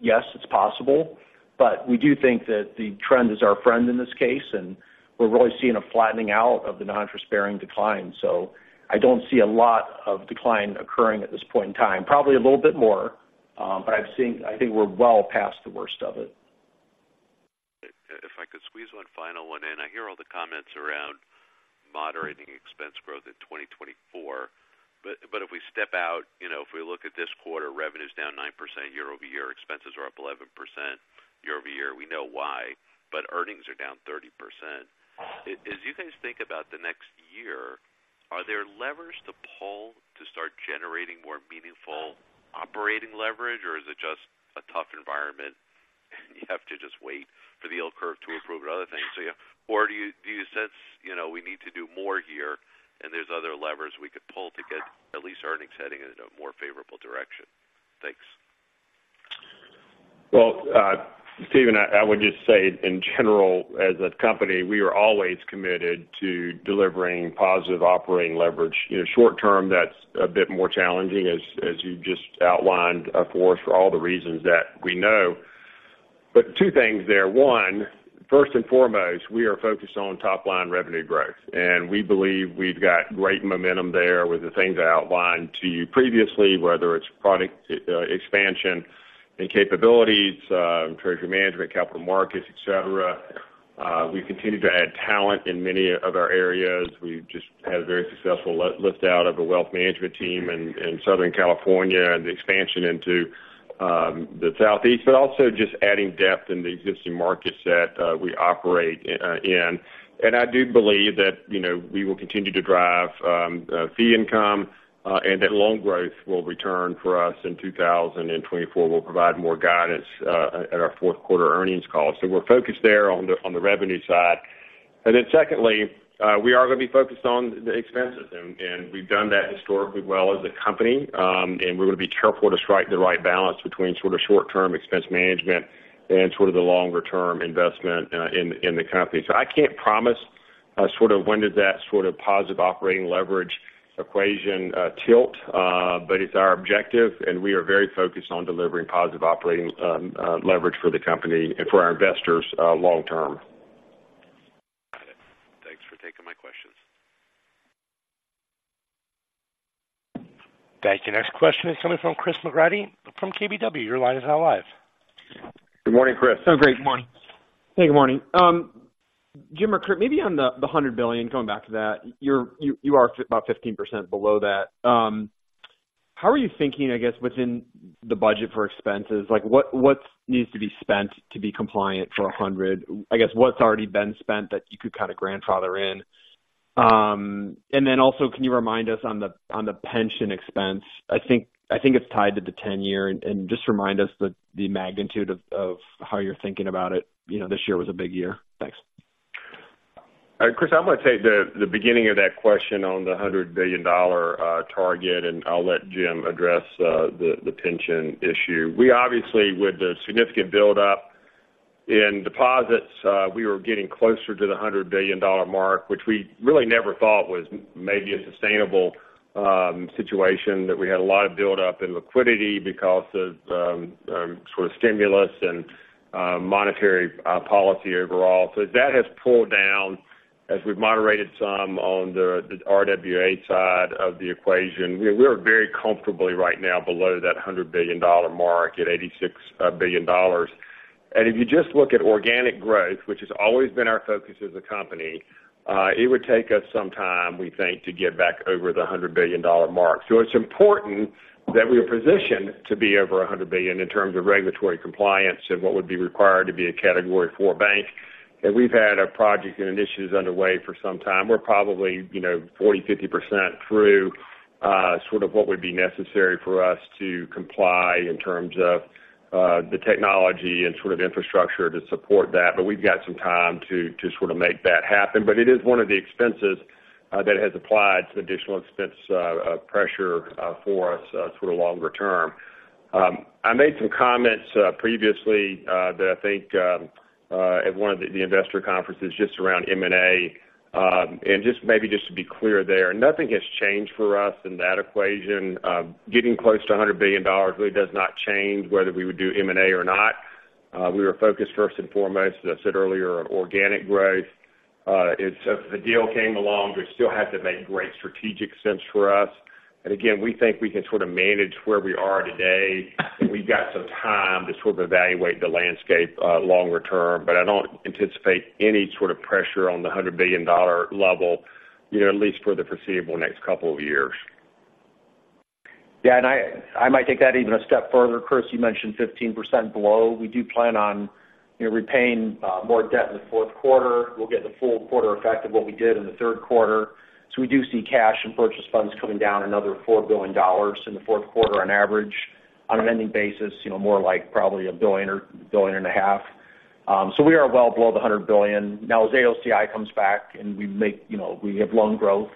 Yes, it's possible, but we do think that the trend is our friend in this case, and we're really seeing a flattening out of the non-interest-bearing decline. So I don't see a lot of decline occurring at this point in time. Probably a little bit more, but I've seen, I think we're well past the worst of it. If I could squeeze one final one in. I hear all the comments around moderating expense growth in 2024, but, but if we step out, you know, if we look at this quarter, revenue is down 9% year-over-year, expenses are up 11% year-over-year. We know why, but earnings are down 30%. As you guys think about the next year, are there levers to pull to start generating more meaningful operating leverage, or is it just a tough environment, and you have to just wait for the yield curve to improve and other things? So yeah, or do you, do you sense, you know, we need to do more here, and there's other levers we could pull to get at least earnings heading in a more favorable direction? Thanks. Well, Steven, I would just say, in general, as a company, we are always committed to delivering positive operating leverage. You know, short term, that's a bit more challenging, as you just outlined, for us, for all the reasons that we know. But two things there. One, first and foremost, we are focused on top-line revenue growth, and we believe we've got great momentum there with the things I outlined to you previously, whether it's product expansion and capabilities, treasury management, capital markets, et cetera. We've continued to add talent in many of our areas. We've just had a very successful lift out of a wealth management team in Southern California, and the expansion into the Southeast, but also just adding depth in the existing markets that we operate in. I do believe that, you know, we will continue to drive fee income, and that loan growth will return for us in 2024. We'll provide more guidance at our Q4 earnings call. So we're focused there on the revenue side. And then secondly, we are going to be focused on the expenses, and we've done that historically well as a company. And we're going to be careful to strike the right balance between sort of short-term expense management and sort of the longer term investment in the company. So I can't promise sort of when did that sort of positive operating leverage equation tilt, but it's our objective, and we are very focused on delivering positive operating leverage for the company and for our investors long term. Got it. Thanks for taking my questions. Thank you. Next question is coming from Chris McGratty from KBW. Your line is now live. Good morning, Chris. Oh, great, good morning. Hey, good morning. Jim or Curt, maybe on the $100 billion, going back to that, you are about 15% below that. How are you thinking, I guess, within the budget for expenses? Like, what needs to be spent to be compliant for $100 billion? I guess, what's already been spent that you could kind of grandfather in? And then also, can you remind us on the pension expense? I think it's tied to the 10-year. And just remind us the magnitude of how you're thinking about it. You know, this year was a big year. Thanks. Chris, I'm going to take the beginning of that question on the $100 billion target, and I'll let Jim address the pension issue. We obviously, with the significant buildup in deposits, we were getting closer to the $100 billion mark, which we really never thought was maybe a sustainable situation. That we had a lot of buildup in liquidity because of sort of stimulus and monetary policy overall. So that has pulled down as we've moderated some on the RWA side of the equation. We are very comfortably right now below that $100 billion dollar mark at $86 billion. And if you just look at organic growth, which has always been our focus as a company, it would take us some time, we think, to get back over the $100 billion mark. So it's important that we are positioned to be over $100 billion in terms of regulatory compliance and what would be required to be a Category IV bank. And we've had a project and initiatives underway for some time. We're probably, you know, 40%-50% through sort of what would be necessary for us to comply in terms of the technology and sort of infrastructure to support that. But we've got some time to sort of make that happen. But it is one of the expenses that has applied some additional expense pressure for us sort of longer term. I made some comments previously that I think at one of the investor conferences just around M&A. And just maybe just to be clear there, nothing has changed for us in that equation. Getting close to $100 billion really does not change whether we would do M&A or not. We are focused first and foremost, as I said earlier, on organic growth. If a deal came along, it still has to make great strategic sense for us. And again, we think we can sort of manage where we are today, and we've got some time to sort of evaluate the landscape longer term. But I don't anticipate any sort of pressure on the $100 billion level, you know, at least for the foreseeable next couple of years. Yeah, and I, I might take that even a step further. Chris, you mentioned 15% below. We do plan on, you know, repaying more debt in the Q4. We'll get the full quarter effect of what we did in the Q3. So we do see cash and purchase funds coming down another $4 billion in the Q4 on average. On an ending basis, you know, more like probably $1 billion or $1.5 billion. So we are well below the $100 billion. Now, as AOCI comes back and we make, you know, we have loan growth,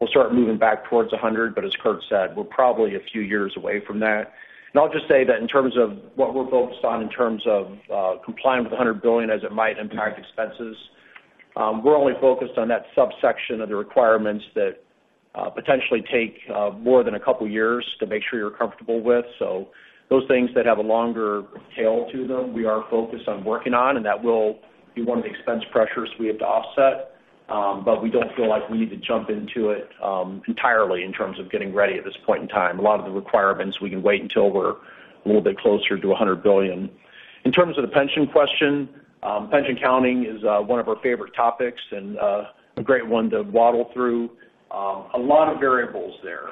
we'll start moving back towards $100 billion. But as Curt said, we're probably a few years away from that. And I'll just say that in terms of what we're focused on in terms of complying with the $100 billion as it might impact expenses, we're only focused on that subsection of the requirements that potentially take more than a couple of years to make sure you're comfortable with. So those things that have a longer tail to them, we are focused on working on, and that will be one of the expense pressures we have to offset. But we don't feel like we need to jump into it entirely in terms of getting ready at this point in time. A lot of the requirements, we can wait until we're a little bit closer to a $100 billion. In terms of the pension question, pension accounting is one of our favorite topics and a great one to wade through. A lot of variables there,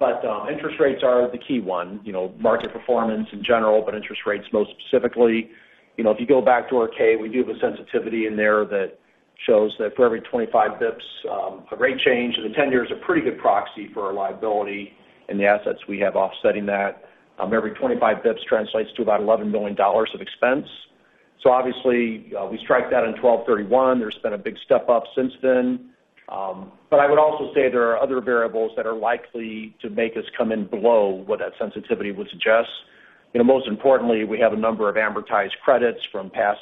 but interest rates are the key one. You know, market performance in general, but interest rates most specifically. You know, if you go back to our 10-K, we do have a sensitivity in there that shows that for every 25 basis points, a rate change in the 10-year is a pretty good proxy for our liability and the assets we have offsetting that. Every 25 basis points translates to about $11 billion of expense. So obviously, we strike that on 12/31. There's been a big step up since then. But I would also say there are other variables that are likely to make us come in below what that sensitivity would suggest. You know, most importantly, we have a number of amortized credits from past,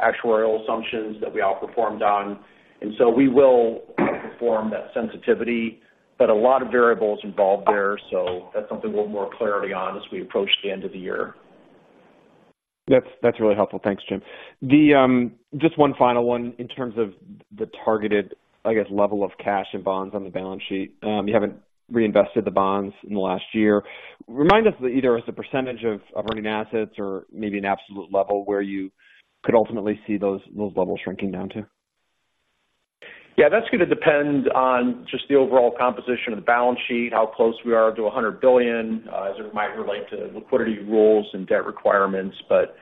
actuarial assumptions that we outperformed on, and so we will outperform that sensitivity. But a lot of variables involved there, so that's something we'll have more clarity on as we approach the end of the year. That's, that's really helpful. Thanks, Jim. The just one final one in terms of the targeted, I guess, level of cash and bonds on the balance sheet. You haven't reinvested the bonds in the last year. Remind us either as a percentage of, of earning assets or maybe an absolute level where you could ultimately see those, those levels shrinking down to? ... Yeah, that's going to depend on just the overall composition of the balance sheet, how close we are to $100 billion, as it might relate to liquidity rules and debt requirements. But,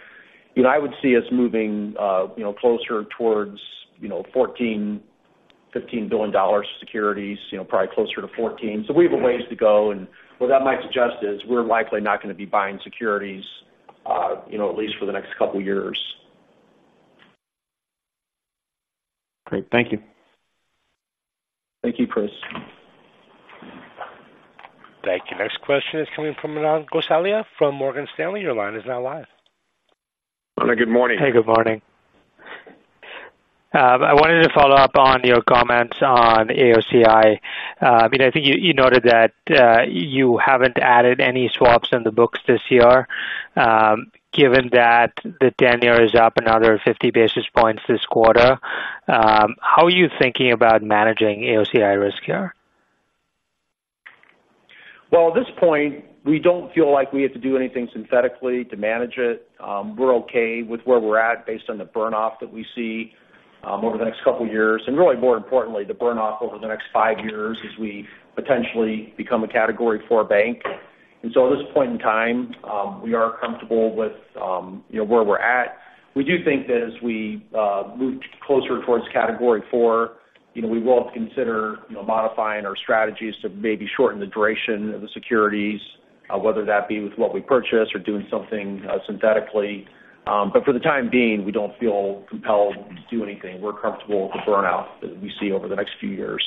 you know, I would see us moving, you know, closer towards, you know, $14-$15 billion securities, you know, probably closer to $14 billion. So we have a ways to go, and what that might suggest is we're likely not going to be buying securities, you know, at least for the next couple years. Great. Thank you. Thank you, Chris. Thank you. Next question is coming from Manan Gosalia from Morgan Stanley. Your line is now live. Good morning. Hey, good morning. I wanted to follow up on your comments on AOCI. I mean, I think you, you noted that you haven't added any swaps in the books this year. Given that the ten year is up another 50 basis points this quarter, how are you thinking about managing AOCI risk here? Well, at this point, we don't feel like we have to do anything synthetically to manage it. We're okay with where we're at based on the burn-off that we see over the next couple years, and really, more importantly, the burn-off over the next five years as we potentially become a Category IV bank. And so at this point in time, we are comfortable with, you know, where we're at. We do think that as we move closer towards Category four, you know, we will consider, you know, modifying our strategies to maybe shorten the duration of the securities, whether that be with what we purchase or doing something synthetically. But for the time being, we don't feel compelled to do anything. We're comfortable with the burn-off that we see over the next few years.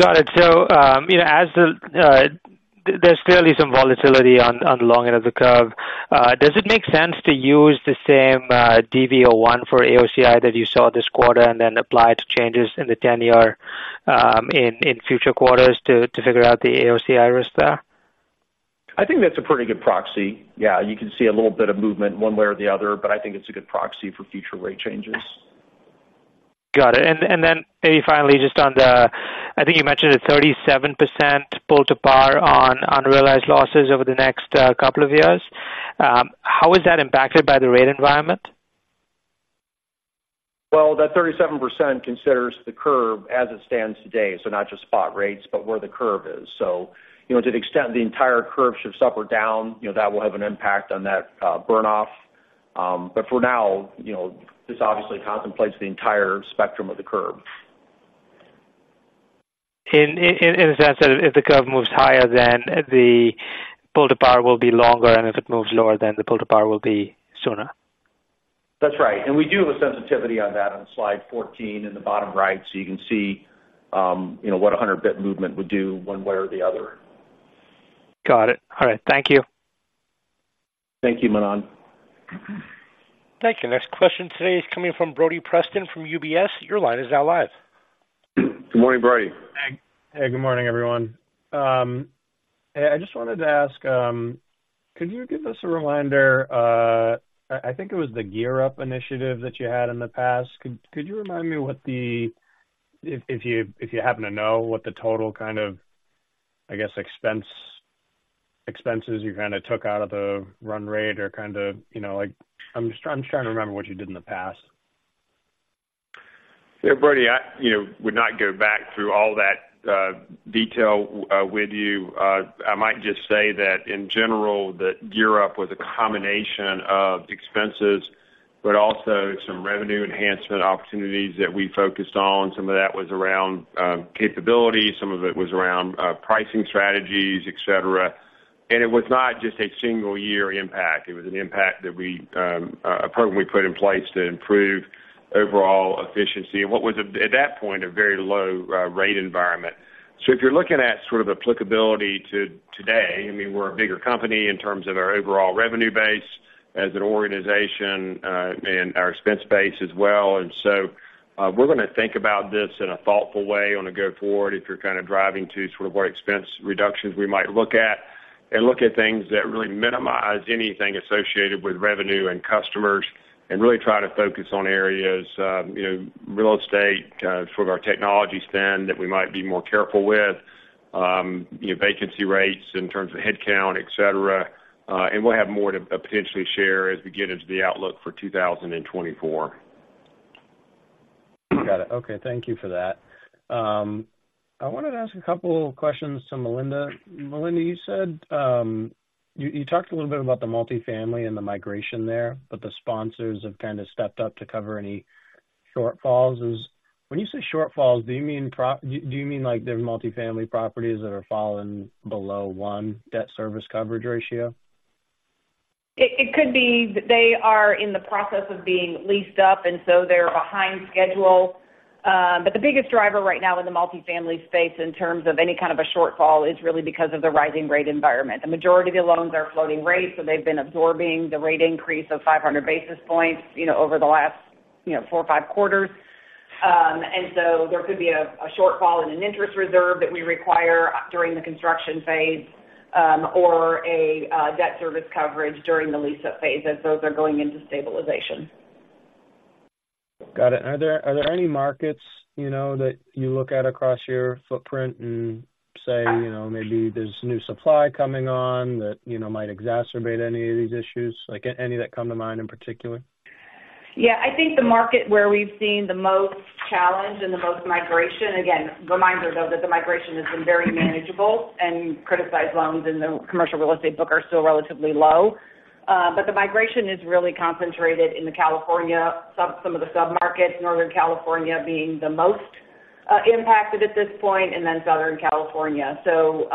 Got it. So, you know, as the, there's clearly some volatility on the long end of the curve. Does it make sense to use the same DV01 for AOCI that you saw this quarter and then apply it to changes in the 10-year in future quarters to figure out the AOCI risk there? I think that's a pretty good proxy. Yeah, you can see a little bit of movement one way or the other, but I think it's a good proxy for future rate changes. Got it. And then finally, just on the—I think you mentioned a 37% pull to par on unrealized losses over the next couple of years. How is that impacted by the rate environment? Well, that 37% considers the curve as it stands today, so not just spot rates, but where the curve is. So, you know, to the extent the entire curve shifts up or down, you know, that will have an impact on that, burn-off. But for now, you know, this obviously contemplates the entire spectrum of the curve. In a sense, that if the curve moves higher, then the pull to par will be longer, and if it moves lower, then the pull to par will be sooner. That's right. And we do have a sensitivity on that on slide 14 in the bottom right. So you can see, you know, what a 100 basis point movement would do one way or the other. Got it. All right. Thank you. Thank you, Manan. Thank you. Next question today is coming from Brody Preston from UBS. Your line is now live. Good morning, Brody. Hey, good morning, everyone. I just wanted to ask, could you give us a reminder? I think it was the Gear Up initiative that you had in the past. Could you remind me what the total kind of, I guess, expense, expenses you kind of took out of the run rate or kind of, you know, like, I'm just trying to remember what you did in the past. Yeah, Brody, I, you know, would not go back through all that detail with you. I might just say that in general, that Gear Up was a combination of expenses, but also some revenue enhancement opportunities that we focused on. Some of that was around capability, some of it was around pricing strategies, et cetera. And it was not just a single year impact, it was an impact that we a program we put in place to improve overall efficiency and what was at that point a very low rate environment. So if you're looking at sort of applicability to today, I mean, we're a bigger company in terms of our overall revenue base as an organization, and our expense base as well. And so, we're going to think about this in a thoughtful way on a go forward, if you're kind of driving to sort of what expense reductions we might look at, and look at things that really minimize anything associated with revenue and customers, and really try to focus on areas, you know, real estate, sort of our technology spend, that we might be more careful with, you know, vacancy rates in terms of headcount, et cetera. And we'll have more to, potentially share as we get into the outlook for 2024. Got it. Okay. Thank you for that. I wanted to ask a couple of questions to Melinda. Melinda, you said, you talked a little bit about the multifamily and the migration there, but the sponsors have kind of stepped up to cover any shortfalls. Is, when you say shortfalls, do you mean like there's multifamily properties that are falling below one debt service coverage ratio? It could be they are in the process of being leased up, and so they're behind schedule. But the biggest driver right now in the multifamily space, in terms of any kind of a shortfall, is really because of the rising rate environment. The majority of the loans are floating rates, so they've been absorbing the rate increase of 500 basis points, you know, over the last, you know, four or five quarters. And so there could be a shortfall in an interest reserve that we require during the construction phase, or a debt service coverage during the lease-up phase, as those are going into stabilization. Got it. Are there any markets, you know, that you look at across your footprint and say, you know, maybe there's new supply coming on that, you know, might exacerbate any of these issues? Like, any that come to mind in particular?... Yeah, I think the market where we've seen the most challenge and the most migration, again, reminder, though, that the migration has been very manageable and criticized loans in the commercial real estate book are still relatively low. But the migration is really concentrated in the California, some of the submarkets, Northern California being the most impacted at this point, and then Southern California. So,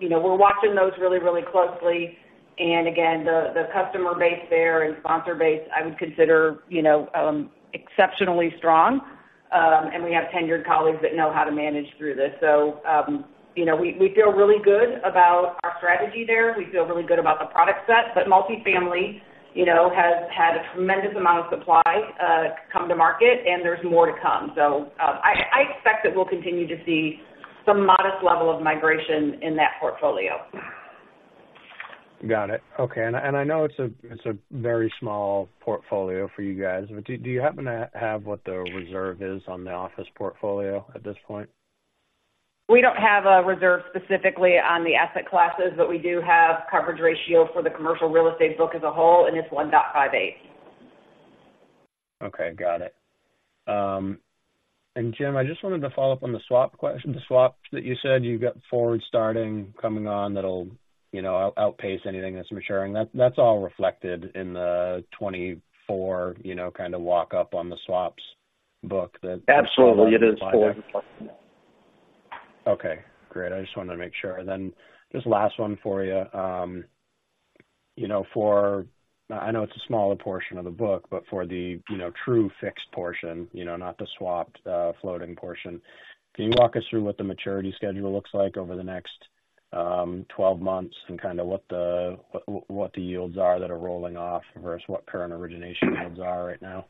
you know, we're watching those really, really closely. And again, the customer base there and sponsor base, I would consider, you know, exceptionally strong. And we have tenured colleagues that know how to manage through this. So, you know, we feel really good about our strategy there. We feel really good about the product set, but multifamily, you know, has had a tremendous amount of supply come to market, and there's more to come. I expect that we'll continue to see some modest level of migration in that portfolio. Got it. Okay. And I know it's a very small portfolio for you guys, but do you happen to have what the reserve is on the office portfolio at this point? We don't have a reserve specifically on the asset classes, but we do have coverage ratio for the commercial real estate book as a whole, and it's 1.58. Okay, got it. And Jim, I just wanted to follow up on the swap question. The swaps that you said you've got forward starting coming on that'll, you know, outpace anything that's maturing. That's all reflected in the 2024, you know, kind of walk up on the swaps book that- Absolutely, it is full. Okay, great. I just wanted to make sure. Then just last one for you. You know, for, I know it's a smaller portion of the book, but for the, you know, true fixed portion, you know, not the swapped, floating portion, can you walk us through what the maturity schedule looks like over the next 12 months and kind of what the yields are that are rolling off versus what current origination yields are right now?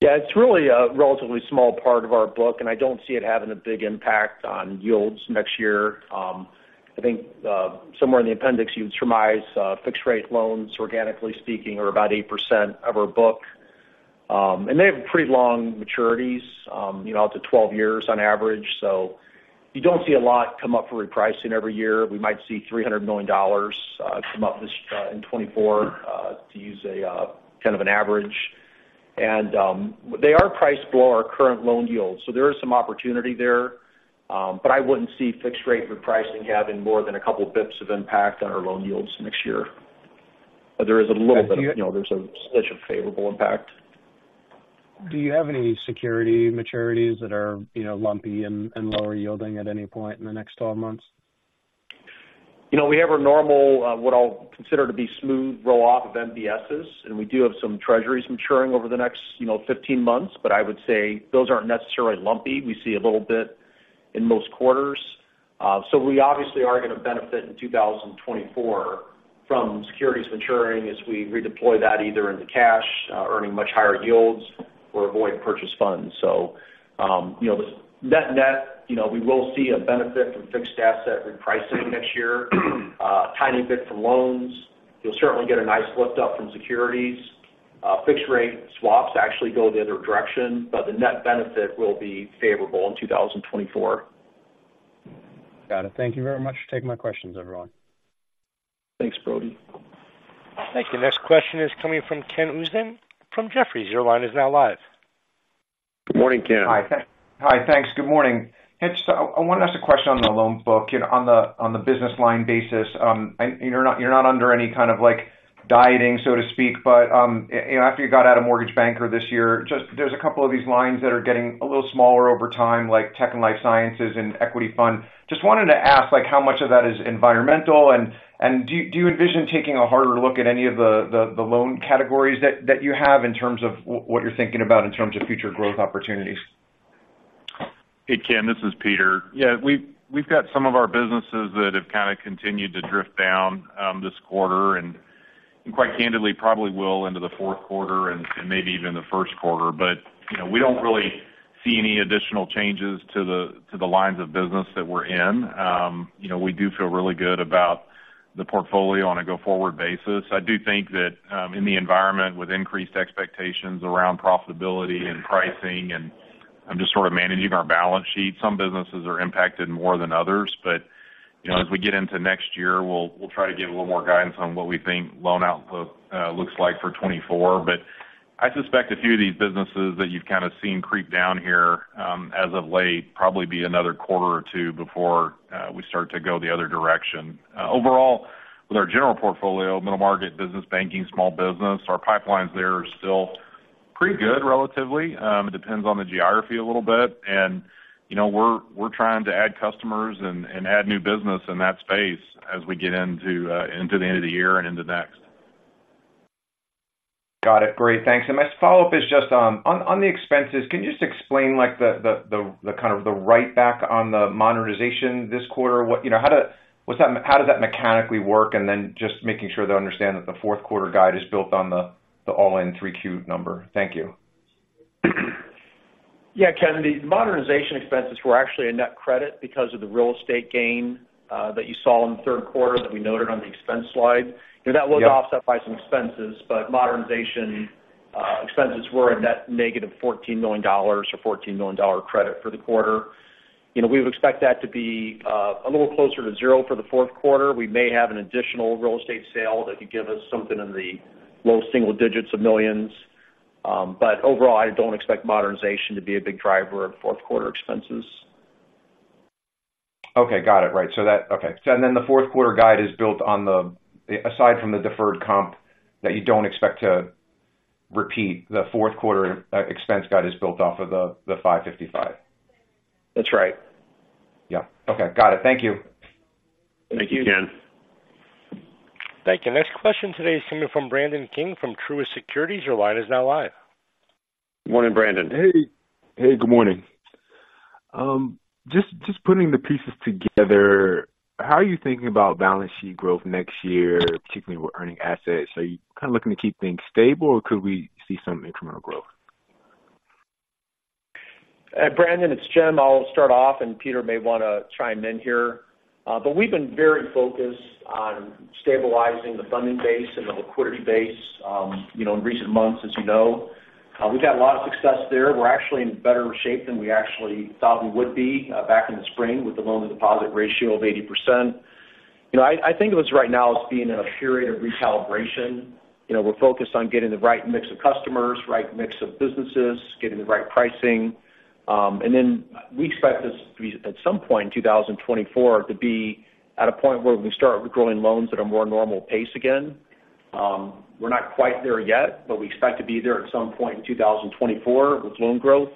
Yeah, it's really a relatively small part of our book, and I don't see it having a big impact on yields next year. I think, somewhere in the appendix, you would surmise, fixed rate loans, organically speaking, are about 8% of our book. And they have pretty long maturities, you know, out to 12 years on average. So you don't see a lot come up for repricing every year. We might see $300 million, come up this, in 2024, to use a, kind of an average. And, they are priced below our current loan yields, so there is some opportunity there. But I wouldn't see fixed rate repricing having more than a couple of bps of impact on our loan yields next year. But there is a little bit of, you know, there's such a favorable impact. Do you have any securities maturities that are, you know, lumpy and lower yielding at any point in the next 12 months? You know, we have our normal, what I'll consider to be smooth roll-off of MBSs, and we do have some treasuries maturing over the next, you know, 15 months, but I would say those aren't necessarily lumpy. We see a little bit in most quarters. So we obviously are going to benefit in 2024 from securities maturing as we redeploy that either into cash, earning much higher yields or avoid purchase funds. So, you know, the net net, you know, we will see a benefit from fixed asset repricing next year, a tiny bit from loans. You'll certainly get a nice lift up from securities. Fixed rate swaps actually go the other direction, but the net benefit will be favorable in 2024. Got it. Thank you very much for taking my questions, everyone. Thanks, Brody. Thank you. Next question is coming from Ken Usdin from Jefferies. Your line is now live. Good morning, Ken. Hi. Hi. Thanks. Good morning. It's, so I wanted to ask a question on the loan book, you know, on the business line basis. And you're not under any kind of, like, dieting, so to speak, but you know, after you got out of Mortgage Banker this year, just there's a couple of these lines that are getting a little smaller over time, like tech and life sciences and equity fund. Just wanted to ask, like, how much of that is environmental? And do you envision taking a harder look at any of the loan categories that you have in terms of what you're thinking about in terms of future growth opportunities? Hey, Ken, this is Peter. Yeah, we've got some of our businesses that have kind of continued to drift down this quarter and quite candidly, probably will into the Q4 and maybe even the Q1. But you know, we don't really see any additional changes to the lines of business that we're in. You know, we do feel really good about the portfolio on a go-forward basis. I do think that in the environment, with increased expectations around profitability and pricing, and I'm just sort of managing our balance sheet, some businesses are impacted more than others. But you know, as we get into next year, we'll try to give a little more guidance on what we think loan outlook looks like for 2024. But I suspect a few of these businesses that you've kind of seen creep down here, as of late, probably be another quarter or two before we start to go the other direction. Overall, with our general portfolio, middle market, business banking, small business, our pipelines there are still pretty good, relatively. It depends on the geography a little bit. And, you know, we're trying to add customers and add new business in that space as we get into the end of the year and into next. Got it. Great, thanks. And my follow-up is just on the expenses. Can you just explain, like, the kind of the write back on the modernization this quarter? What—you know, how did... What's that—how does that mechanically work? And then just making sure to understand that the Q4 guide is built on the all-in three Q number. Thank you. Yeah, Ken, the modernization expenses were actually a net credit because of the real estate gain that you saw in the Q3 that we noted on the expense slide. That was offset by some expenses, but modernization expenses were a net negative $14 million or $14 million credit for the quarter. You know, we would expect that to be a little closer to zero for the Q4. We may have an additional real estate sale that could give us something in the low single digits of millions. But overall, I don't expect modernization to be a big driver of Q4 expenses. Okay, got it. Right, so that okay. So and then the Q4 guide is built on the, aside from the deferred comp that you don't expect to repeat, the Q4 expense guide is built off of the $555? That's right. Yeah. Okay. Got it. Thank you. Thank you, Ken. Thank you. Next question today is coming from Brandon King from Truist Securities. Your line is now live. Morning, Brandon. Hey. Hey, good morning. Just putting the pieces together, how are you thinking about balance sheet growth next year, particularly with earning assets? Are you kind of looking to keep things stable, or could we see some incremental growth? Brandon, it's Jim. I'll start off, and Peter may want to chime in here. But we've been very focused on stabilizing the funding base and the liquidity base, you know, in recent months, as you know. We've had a lot of success there. We're actually in better shape than we actually thought we would be, back in the spring, with the loan-to-deposit ratio of 80%. You know, I, I think of us right now as being in a period of recalibration. You know, we're focused on getting the right mix of customers, right mix of businesses, getting the right pricing. And then we expect this to be, at some point in 2024, to be at a point where we start growing loans at a more normal pace again. We're not quite there yet, but we expect to be there at some point in 2024 with loan growth.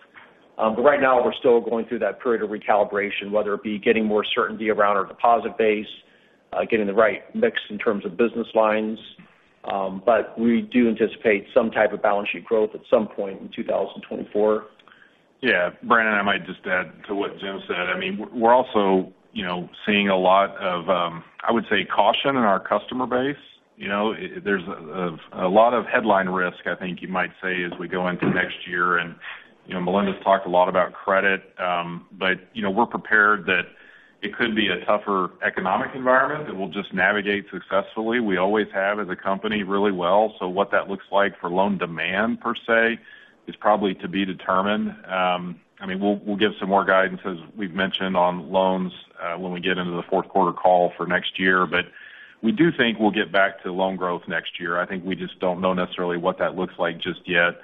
But right now, we're still going through that period of recalibration, whether it be getting more certainty around our deposit base, getting the right mix in terms of business lines. But we do anticipate some type of balance sheet growth at some point in 2024. Yeah, Brandon, I might just add to what Jim said. I mean, we're also, you know, seeing a lot of, I would say, caution in our customer base. You know, there's a lot of headline risk, I think, you might say, as we go into next year. And, you know, Melinda's talked a lot about credit, but, you know, we're prepared that it could be a tougher economic environment that we'll just navigate successfully. We always have, as a company, really well. So what that looks like for loan demand, per se, is probably to be determined. I mean, we'll give some more guidance, as we've mentioned on loans, when we get into the Q4 call for next year. But we do think we'll get back to loan growth next year. I think we just don't know necessarily what that looks like just yet,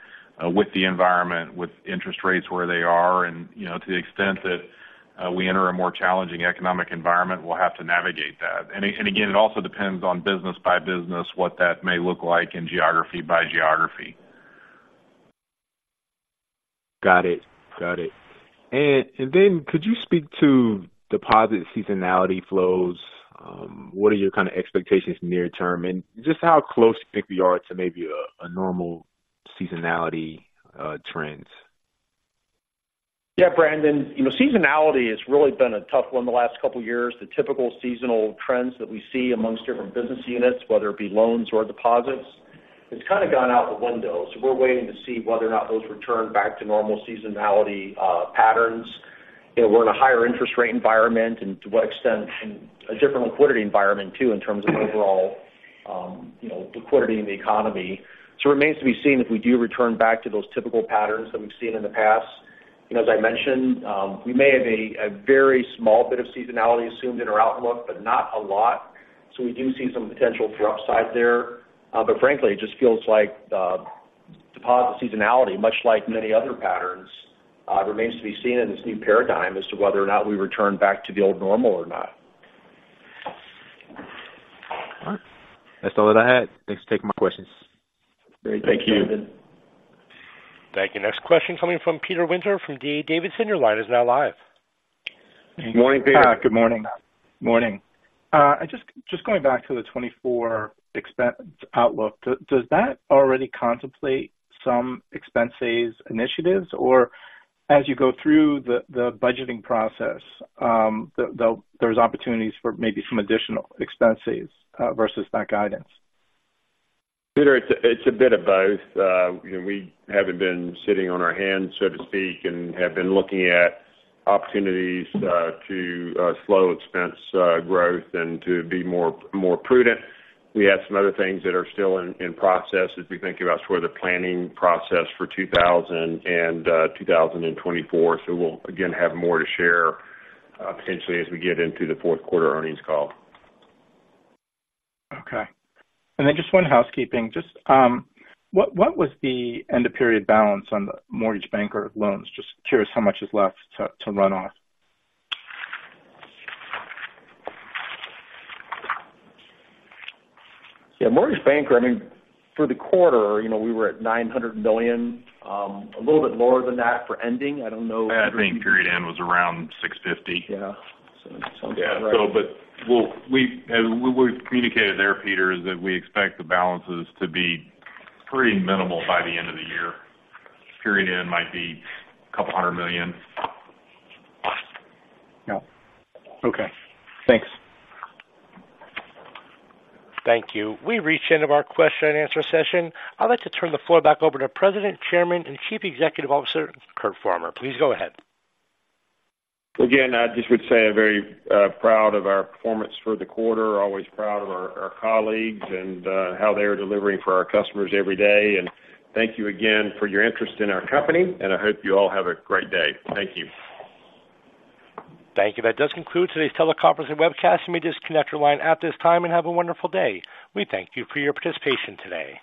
with the environment, with interest rates where they are. And, you know, to the extent that we enter a more challenging economic environment, we'll have to navigate that. And again, it also depends on business by business, what that may look like in geography by geography. Got it. Got it. And then could you speak to deposit seasonality flows? What are your kind of expectations near term, and just how close do you think we are to maybe a normal seasonality trends? Yeah, Brandon, you know, seasonality has really been a tough one the last couple of years. The typical seasonal trends that we see amongst different business units, whether it be loans or deposits, it's kind of gone out the window. So we're waiting to see whether or not those return back to normal seasonality, patterns. You know, we're in a higher interest rate environment, and to what extent, a different liquidity environment, too, in terms of overall, you know, liquidity in the economy. So it remains to be seen if we do return back to those typical patterns that we've seen in the past. You know, as I mentioned, we may have a, a very small bit of seasonality assumed in our outlook, but not a lot. So we do see some potential for upside there. But frankly, it just feels like deposit seasonality, much like many other patterns, remains to be seen in this new paradigm as to whether or not we return back to the old normal or not. All right. That's all that I had. Thanks for taking my questions. Thank you. Thank you. Thank you. Next question coming from Peter Winter from D.A. Davidson, your line is now live. Morning, Peter. Good morning. Morning. Just going back to the 2024 expense outlook. Does that already contemplate some expense initiatives? Or as you go through the budgeting process, there's opportunities for maybe some additional expense versus that guidance? Peter, it's a, it's a bit of both. You know, we haven't been sitting on our hands, so to speak, and have been looking at opportunities to slow expense growth and to be more, more prudent. We have some other things that are still in process as we think about sort of the planning process for 2024. So we'll again have more to share, potentially as we get into the Q4 earnings call. Okay. And then just one housekeeping. Just, what was the end of period balance on the Mortgage Banker loans? Just curious how much is left to run off. Yeah, Mortgage Banker, I mean, for the quarter, you know, we were at $900 million, a little bit lower than that for ending. I don't know- I think period end was around $650. Yeah. Sounds correct. Yeah. So, but what we've communicated there, Peter, is that we expect the balances to be pretty minimal by the end of the year. Period end might be $200 million. Yeah. Okay, thanks. Thank you. We've reached the end of our question and answer session. I'd like to turn the floor back over to President, Chairman, and Chief Executive Officer, Curt Farmer. Please go ahead. Again, I just would say I'm very proud of our performance for the quarter. Always proud of our colleagues and how they are delivering for our customers every day. And thank you again for your interest in our company, and I hope you all have a great day. Thank you. Thank you. That does conclude today's teleconference and webcast. You may disconnect your line at this time and have a wonderful day. We thank you for your participation today.